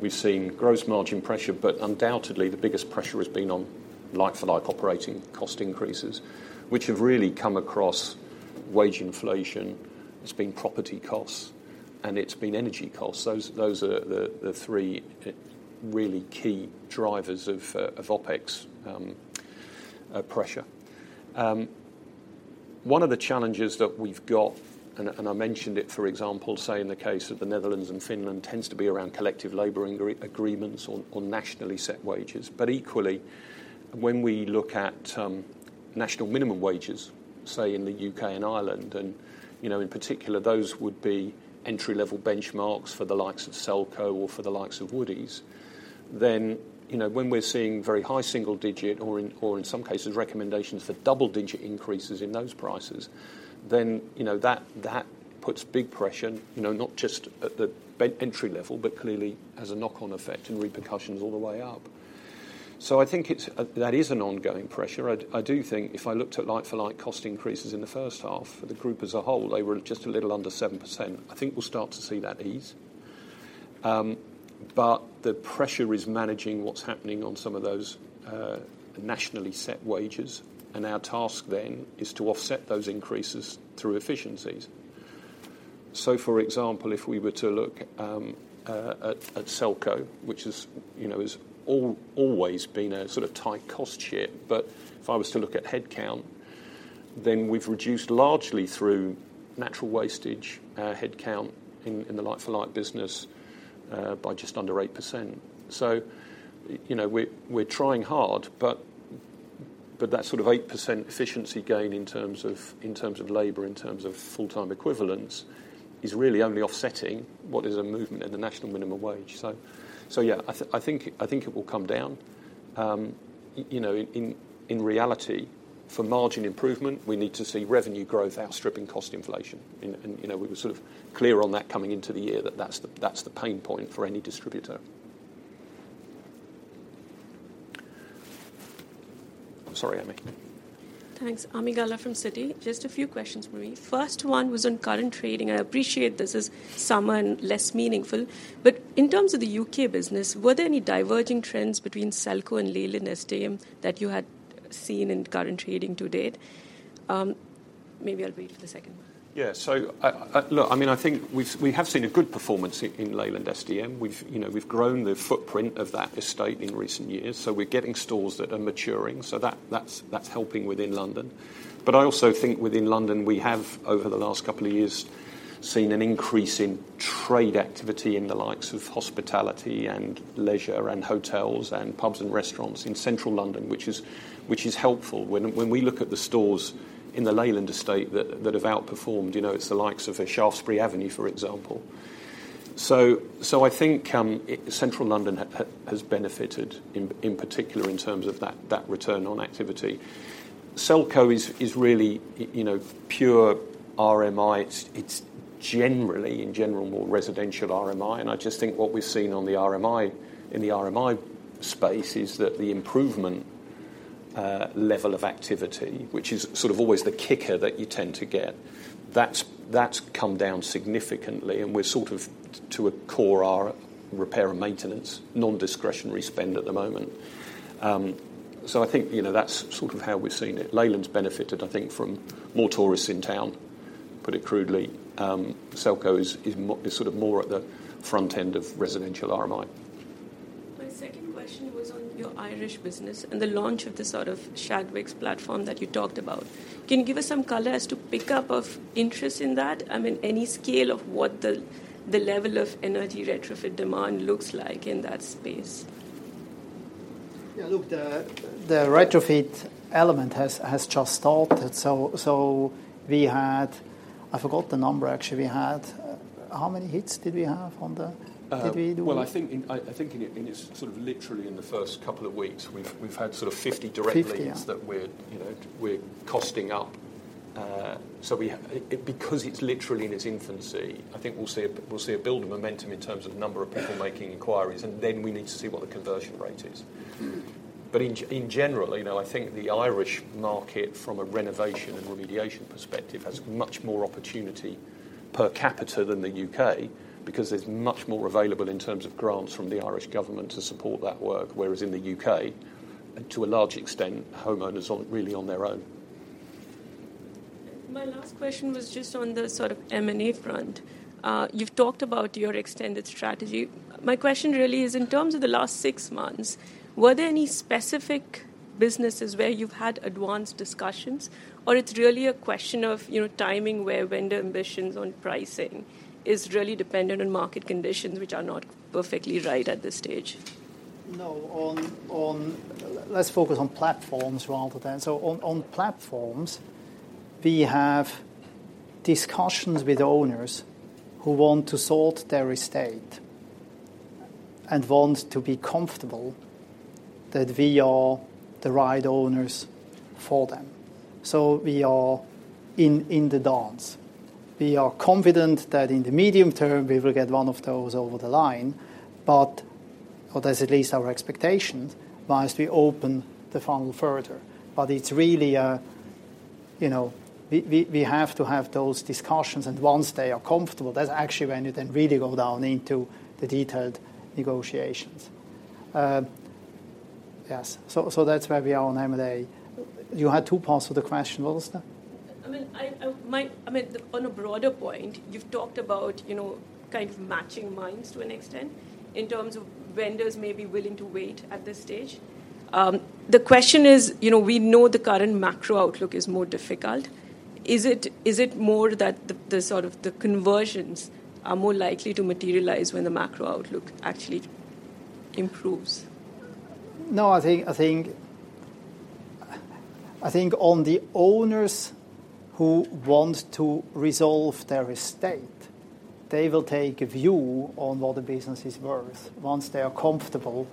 we've seen gross margin pressure, but undoubtedly, the biggest pressure has been on like-for-like operating cost increases, which have really come across wage inflation, it's been property costs, and it's been energy costs. Those are the three really key drivers of OpEx pressure. One of the challenges that we've got, I mentioned it, for example, say, in the case of the Netherlands and Finland, tends to be around collective labor agreements or nationally set wages. But equally, when we look at... national minimum wages, say, in the U.K. and Ireland, and, you know, in particular, those would be entry-level benchmarks for the likes of Selco or for the likes of Woodies, then, you know, when we're seeing very high single-digit, or, in some cases, recommendations for double-digit increases in those prices, then, you know, that puts big pressure, you know, not just at the entry level, but clearly has a knock-on effect and repercussions all the way up. So I think it's, that is an ongoing pressure. I do think if I looked at like-for-like cost increases in the first half, for the group as a whole, they were just a little under 7%. I think we'll start to see that ease. But the pressure is managing what's happening on some of those nationally set wages, and our task then is to offset those increases through efficiencies. So for example, if we were to look at Selco, which is, you know, always been a sort of tight cost ship, but if I was to look at headcount, then we've reduced largely through natural wastage headcount in the like-for-like business by just under 8%. So, you know, we're trying hard, but that sort of 8% efficiency gain in terms of labor, in terms of full-time equivalence, is really only offsetting what is a movement in the national minimum wage. So, yeah, I think it will come down. You know, in reality, for margin improvement, we need to see revenue growth outstripping cost inflation. And you know, we were sort of clear on that coming into the year, that that's the pain point for any distributor. I'm sorry, Ami.
Thanks. Ami Galla from Citi. Just a few questions for you. First one was on current trading. I appreciate this is summer and less meaningful, but in terms of the U.K. business, were there any diverging trends between Selco and Leyland SDM that you had seen in current trading to date? Maybe I'll wait for the second one.
Yeah, so... Look, I mean, I think we've seen a good performance in Leyland SDM. We've, you know, we've grown the footprint of that estate in recent years, so we're getting stores that are maturing, so that's helping within London. But I also think within London, we have, over the last couple of years, seen an increase in trade activity in the likes of hospitality and leisure, and hotels and pubs and restaurants in central London, which is helpful. When we look at the stores in the Leyland estate that have outperformed, you know, it's the likes of Shaftesbury Avenue, for example. So I think central London has benefited in particular in terms of that return on activity. Selco is really, you know, pure RMI. It's generally, in general, more residential RMI, and I just think what we've seen on the RMI, in the RMI space, is that the improvement level of activity, which is sort of always the kicker that you tend to get, that's come down significantly, and we're sort of to a core repair and maintenance, non-discretionary spend at the moment. So I think, you know, that's sort of how we've seen it. Leyland's benefited, I think, from more tourists in town, put it crudely. Selco is sort of more at the front end of residential RMI.
My second question was on your Irish business and the launch of the sort of Chadwicks platform that you talked about. Can you give us some color as to pickup of interest in that? I mean, any scale of what the, the level of energy retrofit demand looks like in that space?
Yeah, look, the retrofit element has just started, so we had... I forgot the number, actually. We had how many hits did we have on the did we do?
Well, I think in sort of literally in the first couple of weeks, we've had sort of 50 direct leads-
50, yeah...
that we're, you know, we're costing up. So, because it's literally in its infancy, I think we'll see a, we'll see a build of momentum in terms of the number of people making inquiries, and then we need to see what the conversion rate is. But in general, you know, I think the Irish market, from a renovation and remediation perspective, has much more opportunity per capita than the U.K. because there's much more available in terms of grants from the Irish government to support that work, whereas in the U.K., to a large extent, homeowners are really on their own.
My last question was just on the sort of M&A front. You've talked about your extended strategy. My question really is, in terms of the last six months, were there any specific businesses where you've had advanced discussions, or it's really a question of, you know, timing, where vendor ambitions on pricing is really dependent on market conditions, which are not perfectly right at this stage?
No, on... Let's focus on platforms rather than... So on platforms, we have discussions with owners who want to sort their estate and want to be comfortable that we are the right owners for them. So we are in the dance. We are confident that in the medium term, we will get one of those over the line, but... Well, that's at least our expectations, while we open the funnel further. But it's really a, you know, we have to have those discussions, and once they are comfortable, that's actually when you then really go down into the detailed negotiations. Yes, so that's where we are on M&A. You had two parts to the question. What was the?
I mean, on a broader point, you've talked about, you know, kind of matching minds to an extent, in terms of vendors may be willing to wait at this stage. The question is, you know, we know the current macro outlook is more difficult. Is it more that the sort of conversions are more likely to materialize when the macro outlook actually improves?...
improves? No, I think, I think, I think on the owners who want to resolve their estate, they will take a view on what the business is worth. Once they are comfortable,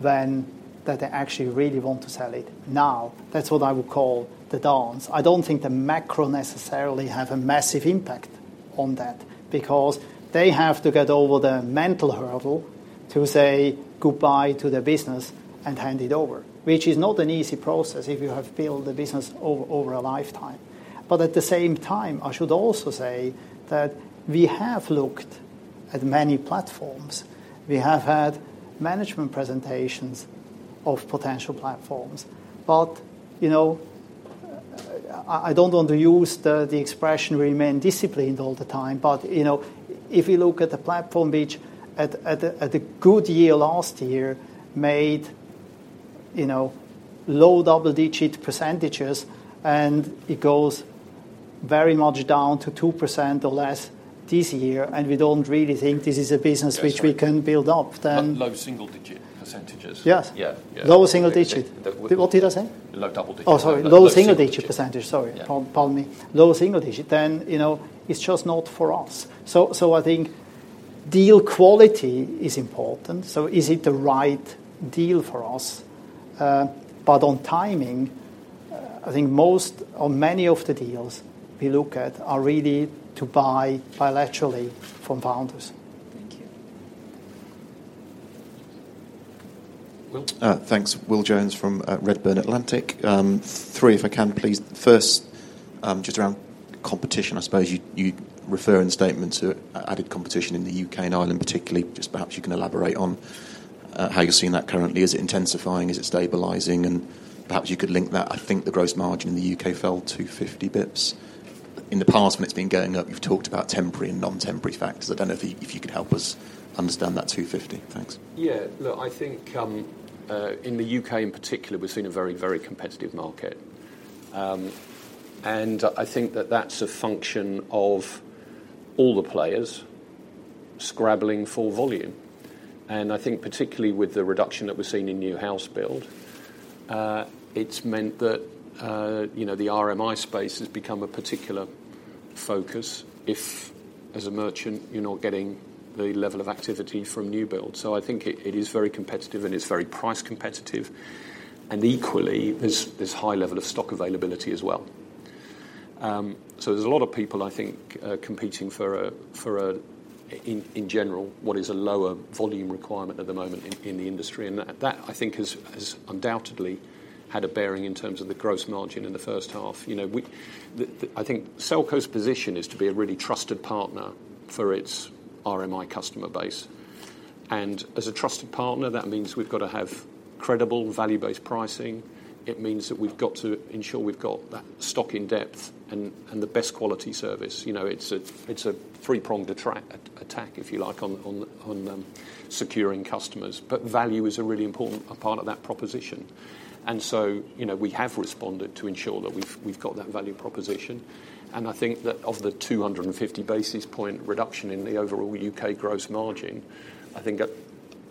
then that they actually really want to sell it. Now, that's what I would call the dance. I don't think the macro necessarily have a massive impact on that, because they have to get over the mental hurdle to say goodbye to their business and hand it over, which is not an easy process if you have built the business over, over a lifetime. But at the same time, I should also say that we have looked at many platforms. We have had management presentations of potential platforms, but, you know, I don't want to use the expression remain disciplined all the time. But, you know, if you look at the platform, which at the good year last year, made, you know, low double-digit percentages, and it goes very much down to 2% or less this year, and we don't really think this is a business which we can build up, then-
But low single-digit percentages?
Yes.
Yeah, yeah.
Low single digit.
The-
What did I say?
Low double-digit.
Oh, sorry. Low single digit-
Single digit...
percentage, sorry.
Yeah.
Pardon me. Low single digit, then, you know, it's just not for us. So, so I think deal quality is important. So is it the right deal for us? But on timing, I think most or many of the deals we look at are really to buy bilaterally from founders.
Thank you.
Will?
Thanks. Will Jones from Redburn Atlantic. Three, if I can, please. First, just around competition, I suppose you refer in statement to added competition in the U.K. and Ireland, particularly. Just perhaps you can elaborate on how you're seeing that currently. Is it intensifying? Is it stabilizing? And perhaps you could link that. I think the gross margin in the U.K. fell 250 basis points. In the past, it's been going up. You've talked about temporary and non-temporary factors. I don't know if you could help us understand that 250. Thanks.
Yeah. Look, I think, in the U.K. in particular, we've seen a very, very competitive market. And I think that that's a function of all the players scrabbling for volume. And I think particularly with the reduction that we're seeing in new house build, it's meant that, you know, the RMI space has become a particular focus if, as a merchant, you're not getting the level of activity from new build. So I think it, it is very competitive, and it's very price competitive, and equally, there's, there's high level of stock availability as well. So there's a lot of people, I think, competing for, in general, what is a lower volume requirement at the moment in the industry. That, I think, has undoubtedly had a bearing in terms of the gross margin in the first half. You know, I think Selco's position is to be a really trusted partner for its RMI customer base. And as a trusted partner, that means we've got to have credible, value-based pricing. It means that we've got to ensure we've got that stock in depth and the best quality service. You know, it's a three-pronged attack, if you like, on securing customers. But value is a really important part of that proposition. And so, you know, we have responded to ensure that we've got that value proposition. I think that of the 250 basis points reduction in the overall U.K. gross margin, I think that,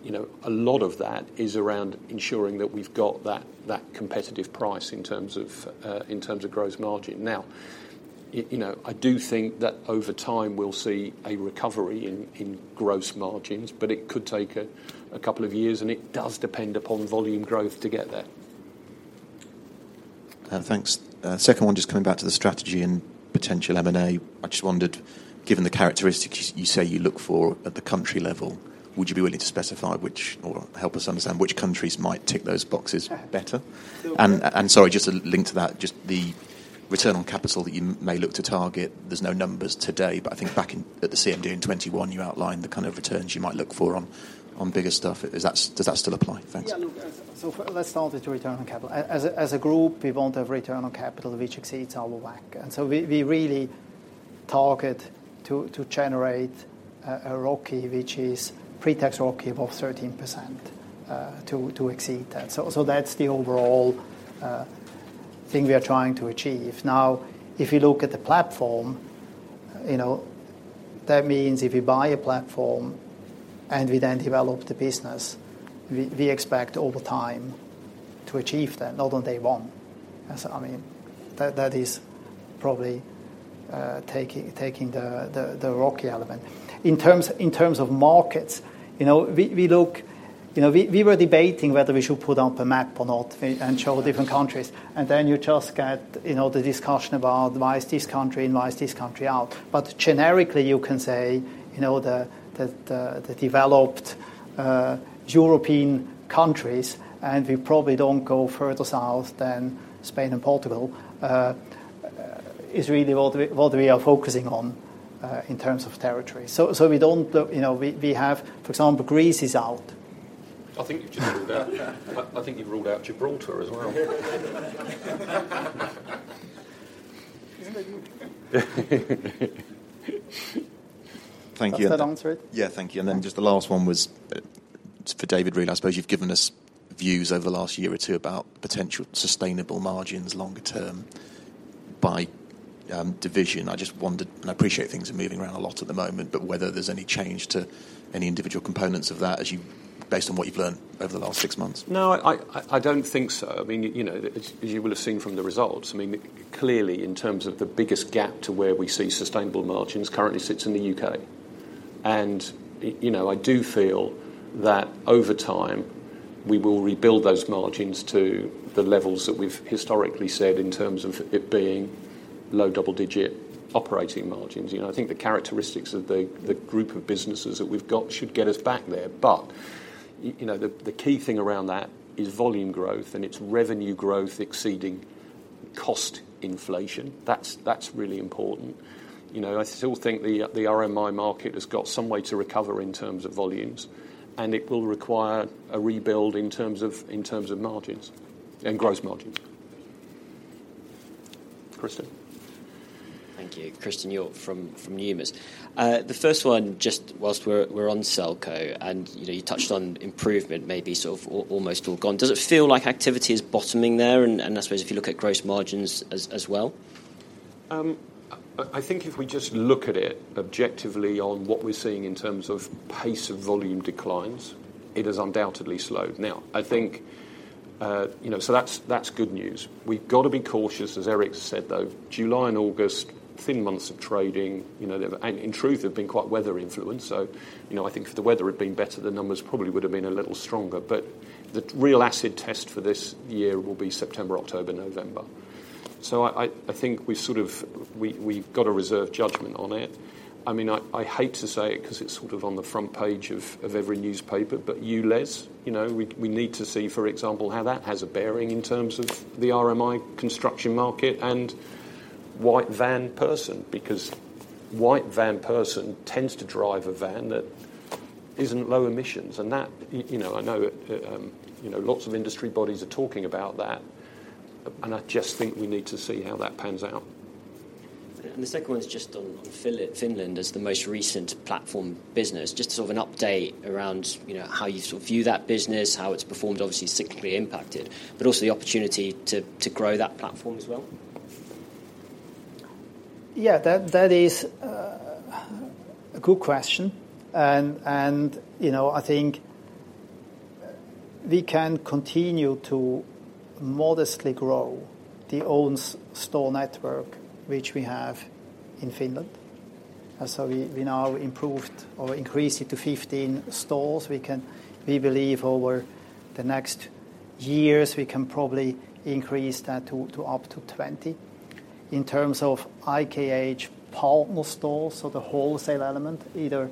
you know, a lot of that is around ensuring that we've got that, that competitive price in terms of, in terms of gross margin. Now, you know, I do think that over time, we'll see a recovery in, in gross margins, but it could take a, a couple of years, and it does depend upon volume growth to get there.
Thanks. Second one, just coming back to the strategy and potential M&A. I just wondered, given the characteristics you say you look for at the country level, would you be willing to specify which, or help us understand which countries might tick those boxes better?
Sure.
Sorry, just to link to that, just the return on capital that you may look to target, there's no numbers today, but I think back—at the CMD in 2021, you outlined the kind of returns you might look for on bigger stuff. Is that... Does that still apply? Thanks.
Yeah, look, so let's start with the return on capital. As a group, we want a return on capital which exceeds our WACC. And so we really target to generate a ROCE, which is pre-tax ROCE above 13%, to exceed that. So that's the overall thing we are trying to achieve. Now, if you look at the platform, you know, that means if you buy a platform and we then develop the business, we expect over time to achieve that, not on day one. So I mean, that is probably taking the ROCE element. In terms of markets, you know, we look... You know, we were debating whether we should put out the map or not and show different countries, and then you just get, you know, the discussion about why is this country and why is this country out? But generically, you can say, you know, the developed European countries, and we probably don't go further south than Spain and Portugal is really what we are focusing on in terms of territory. So we don't, you know, we have... For example, Greece is out.
I think you've just ruled out - I think you've ruled out Gibraltar as well.
Isn't that good?
Thank you.
Does that answer it?
Yeah, thank you. And then just the last one was for David Reid. I suppose you've given us views over the last year or two about potential sustainable margins longer term by division. I just wondered, and I appreciate things are moving around a lot at the moment, but whether there's any change to any individual components of that as you based on what you've learned over the last six months?
No, I don't think so. I mean, you know, as you will have seen from the results, I mean, clearly, in terms of the biggest gap to where we see sustainable margins currently sits in the U.K. And, you know, I do feel that over time, we will rebuild those margins to the levels that we've historically said in terms of it being low double-digit operating margins. You know, I think the characteristics of the group of businesses that we've got should get us back there. But, you know, the key thing around that is volume growth, and it's revenue growth exceeding cost inflation. That's really important. You know, I still think the RMI market has got some way to recover in terms of volumes, and it will require a rebuild in terms of margins and gross margins. Kristen?
Thank you. Christen Hjorth from Numis. The first one, just while we're on Selco, and, you know, you touched on improvement, maybe sort of almost all gone. Does it feel like activity is bottoming there, and I suppose if you look at gross margins as well?
I think if we just look at it objectively on what we're seeing in terms of pace of volume declines, it has undoubtedly slowed. Now, I think, you know, so that's good news. We've got to be cautious, as Eric said, though. July and August, thin months of trading, you know, they have and in truth, they've been quite weather influenced. So, you know, I think if the weather had been better, the numbers probably would have been a little stronger. But the real acid test for this year will be September, October, November. So I think we sort of we've got to reserve judgment on it. I mean, I hate to say it 'cause it's sort of on the front page of every newspaper, but ULEZ, you know, we need to see, for example, how that has a bearing in terms of the RMI construction market and white van person, because white van person tends to drive a van that isn't low emissions. And that, you know, I know, you know, lots of industry bodies are talking about that, and I just think we need to see how that pans out.
The second one is just on Finland as the most recent platform business. Just sort of an update around, you know, how you sort of view that business, how it's performed, obviously, cyclically impacted, but also the opportunity to grow that platform as well.
Yeah, that is a good question. And you know, I think we can continue to modestly grow the own store network, which we have in Finland. And so we now improved or increased it to 15 stores. We can. We believe over the next years, we can probably increase that to up to 20. In terms of IKH partner stores, so the wholesale element, either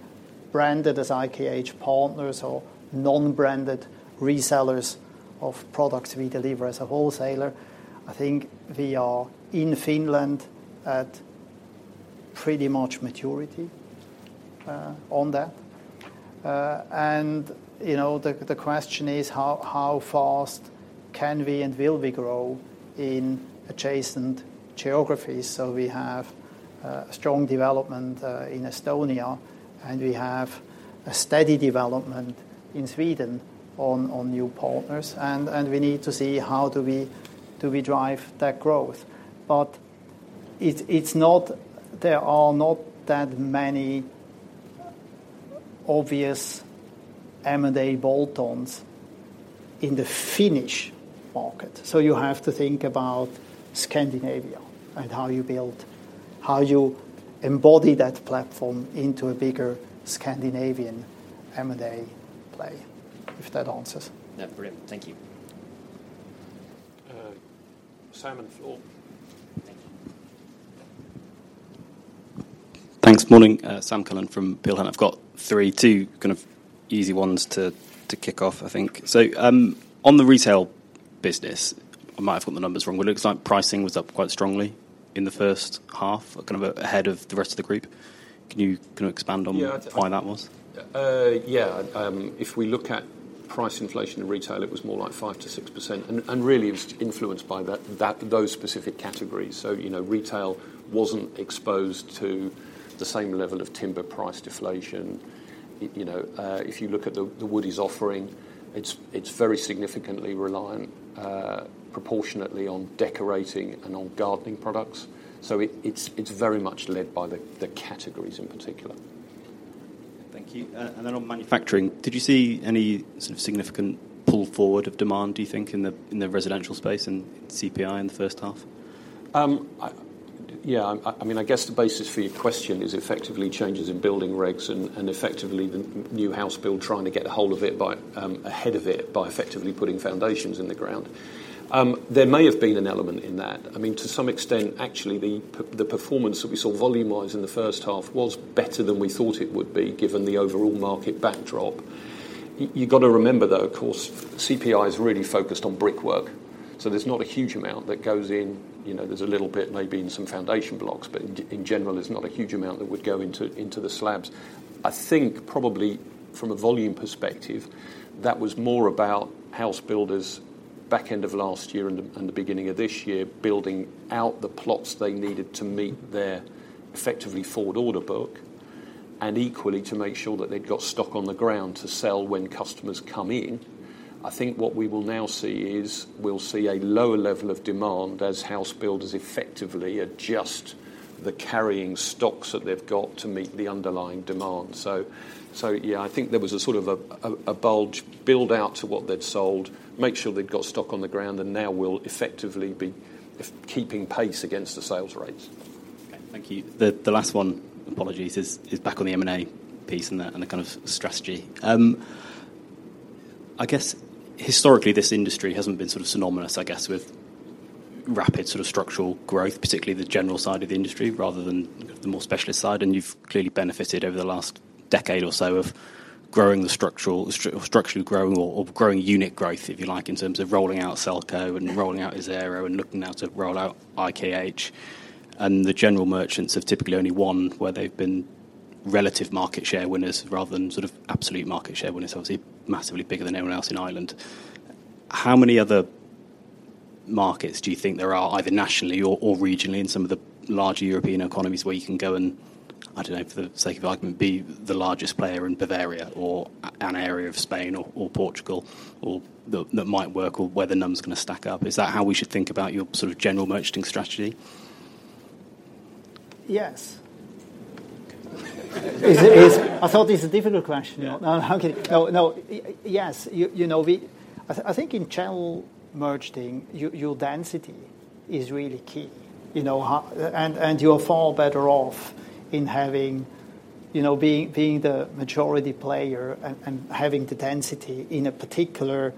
branded as IKH partners or non-branded resellers of products we deliver as a wholesaler, I think we are in Finland at pretty much maturity on that. And you know, the question is, how fast can we and will we grow in adjacent geographies? So we have strong development in Estonia, and we have a steady development in Sweden on new partners, and we need to see how we drive that growth. But it's not. There are not that many obvious M&A bolt-ons in the Finnish market. So you have to think about Scandinavia and how you build, how you embody that platform into a bigger Scandinavian M&A play, if that answers.
Yeah, brilliant. Thank you.
Sam Cullen.
Thank you. Thanks. Morning, Sam Cullen from Peel Hunt, and I've got three, two kind of easy ones to kick off, I think. So, on the retail business, I might have got the numbers wrong. Well, it looks like pricing was up quite strongly in the first half, kind of ahead of the rest of the group. Can you, kind of expand on-
Yeah
Why that was?
Yeah. If we look at price inflation in retail, it was more like 5%-6%, and really, it was influenced by that, those specific categories. So, you know, retail wasn't exposed to the same level of timber price deflation. You know, if you look at the Woodie's offering, it's very significantly reliant, proportionately on decorating and on gardening products. So it is very much led by the categories in particular.
Thank you. And then on manufacturing, did you see any sort of significant pull forward of demand, do you think, in the residential space and CPI in the first half?
Yeah, I mean, I guess the basis for your question is effectively changes in building regs and effectively the new house build, trying to get ahead of it by effectively putting foundations in the ground. There may have been an element in that. I mean, to some extent, actually, the performance that we saw volume-wise in the first half was better than we thought it would be, given the overall market backdrop. You got to remember, though, of course, CPI is really focused on brickwork, so there's not a huge amount that goes in. You know, there's a little bit, maybe in some foundation blocks, but in general, there's not a huge amount that would go into the slabs. I think probably from a volume perspective, that was more about house builders back end of last year and the beginning of this year, building out the plots they needed to meet their effectively forward order book, and equally, to make sure that they've got stock on the ground to sell when customers come in. I think what we will now see is, we'll see a lower level of demand as house builders effectively adjust the carrying stocks that they've got to meet the underlying demand. So yeah, I think there was a sort of a bulge build out to what they'd sold, make sure they've got stock on the ground, and now will effectively be keeping pace against the sales rates.
Thank you. The last one, apologies, is back on the M&A piece and the kind of strategy. I guess, historically, this industry hasn't been sort of synonymous, I guess, with rapid sort of structural growth, particularly the general side of the industry, rather than the more specialist side. And you've clearly benefited over the last decade or so of growing the structural, structurally growing or growing unit growth, if you like, in terms of rolling out Selco and rolling out Isero and looking now to roll out IKH. And the general merchants have typically only won where they've been relative market share winners, rather than sort of absolute market share winners, obviously, massively bigger than anyone else in Ireland. How many other markets do you think there are, either nationally or regionally in some of the larger European economies, where you can go and, I don't know, for the sake of argument, be the largest player in Bavaria or an area of Spain or Portugal, or that might work or where the numbers gonna stack up? Is that how we should think about your sort of general merchanting strategy?
Yes. I thought it's a difficult question.
Yeah.
Now, how can you... No, no. Yes, you know, we—I think in channel merchanting, your density is really key. You know, how, and you're far better off in having, you know, being the majority player and having the density in a particular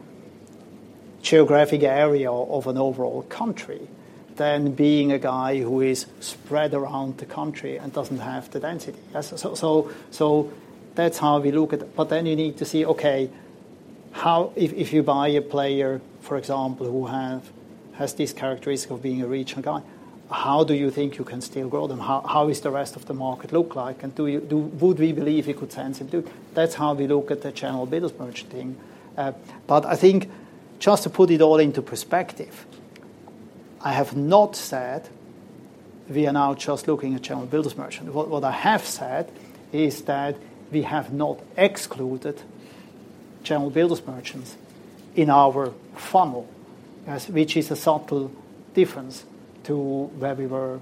geographic area of an overall country, than being a guy who is spread around the country and doesn't have the density. So that's how we look at it. But then you need to see, okay, how, if you buy a player, for example, who has this characteristic of being a regional guy, how do you think you can still grow them? How is the rest of the market look like? And do you, would we believe you could sense it, too? That's how we look at the channel business merchanting. But I think just to put it all into perspective, I have not said we are now just looking at channel builders merchant. What I have said is that we have not excluded channel builders merchants in our funnel, which is a subtle difference to where we were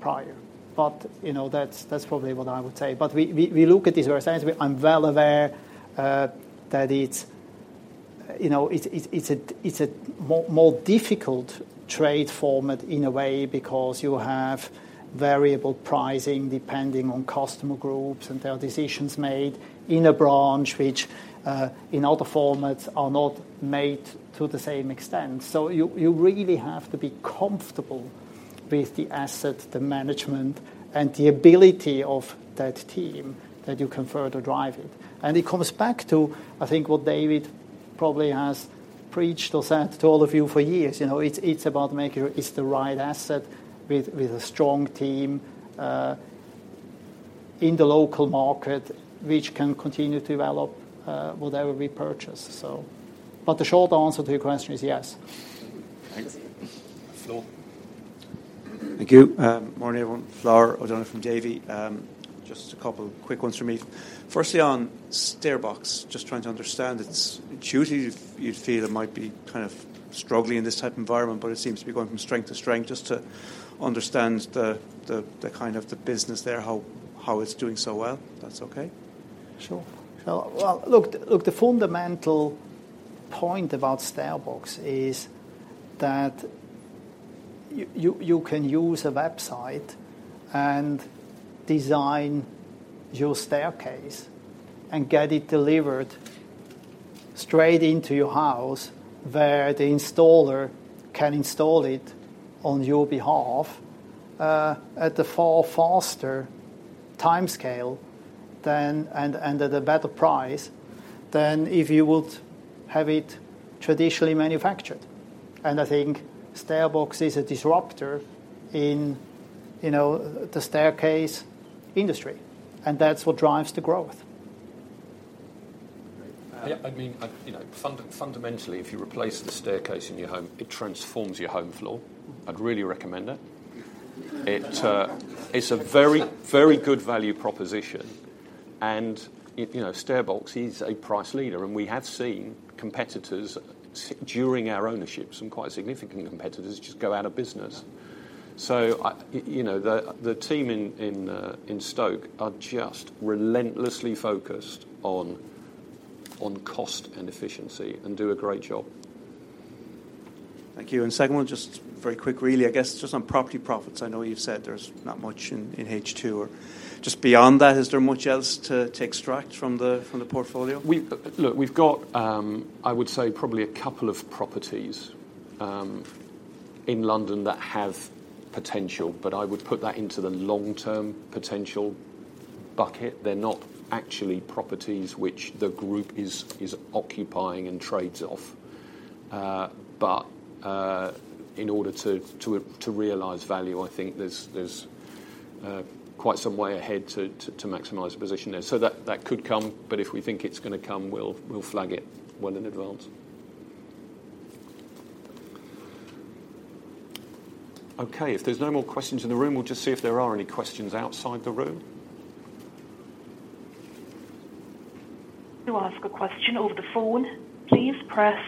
prior. But you know, that's probably what I would say. But we look at this very seriously. I'm well aware that it's, you know, it's a more difficult trade format in a way, because you have variable pricing depending on customer groups, and there are decisions made in a branch, which in other formats are not made to the same extent. So you really have to be comfortable with the asset, the management, and the ability of that team that you can further drive it. It comes back to, I think, what David probably has preached or said to all of you for years, you know, it's, it's about making sure it's the right asset with, with a strong team, in the local market, which can continue to develop, whatever we purchase, so. But the short answer to your question is yes.
Thanks.
Flor.
Thank you. Morning, everyone. Flor O'Donoghue from Davy. Just a couple quick ones from me. Firstly, on StairBox, just trying to understand, it's usually you'd feel it might be kind of struggling in this type of environment, but it seems to be going from strength to strength, just to understand the kind of the business there, how it's doing so well, if that's okay?
Sure. Well, look, look, the fundamental point about StairBox is that you can use a website and design your staircase and get it delivered straight into your house, where the installer can install it on your behalf at a far faster timescale than and at a better price than if you would have it traditionally manufactured. And I think StairBox is a disruptor in, you know, the staircase industry, and that's what drives the growth.
Yeah, I mean, you know, fundamentally, if you replace the staircase in your home, it transforms your home floor. I'd really recommend it. It, it's a very, very good value proposition, and it, you know, StairBox is a price leader, and we have seen competitors during our ownership, some quite significant competitors, just go out of business. So I, you know, the team in Stoke are just relentlessly focused on cost and efficiency and do a great job.
Thank you. Second one, just very quick, really, I guess, just on property profits. I know you've said there's not much in H2. Or just beyond that, is there much else to extract from the portfolio?
Look, we've got, I would say, probably a couple of properties in London that have potential, but I would put that into the long-term potential bucket. They're not actually properties which the group is occupying and trades off. But, in order to realize value, I think there's quite some way ahead to maximize the position there. So that could come, but if we think it's gonna come, we'll flag it well in advance. Okay, if there's no more questions in the room, we'll just see if there are any questions outside the room.
To ask a question over the phone, please press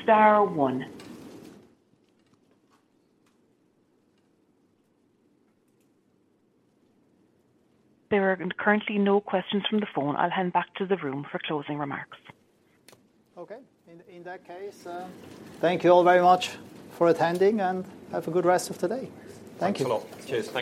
star one. There are currently no questions from the phone. I'll hand back to the room for closing remarks.
Okay. In that case, thank you all very much for attending, and have a good rest of the day. Thank you.
Thanks a lot. Cheers. Thanks.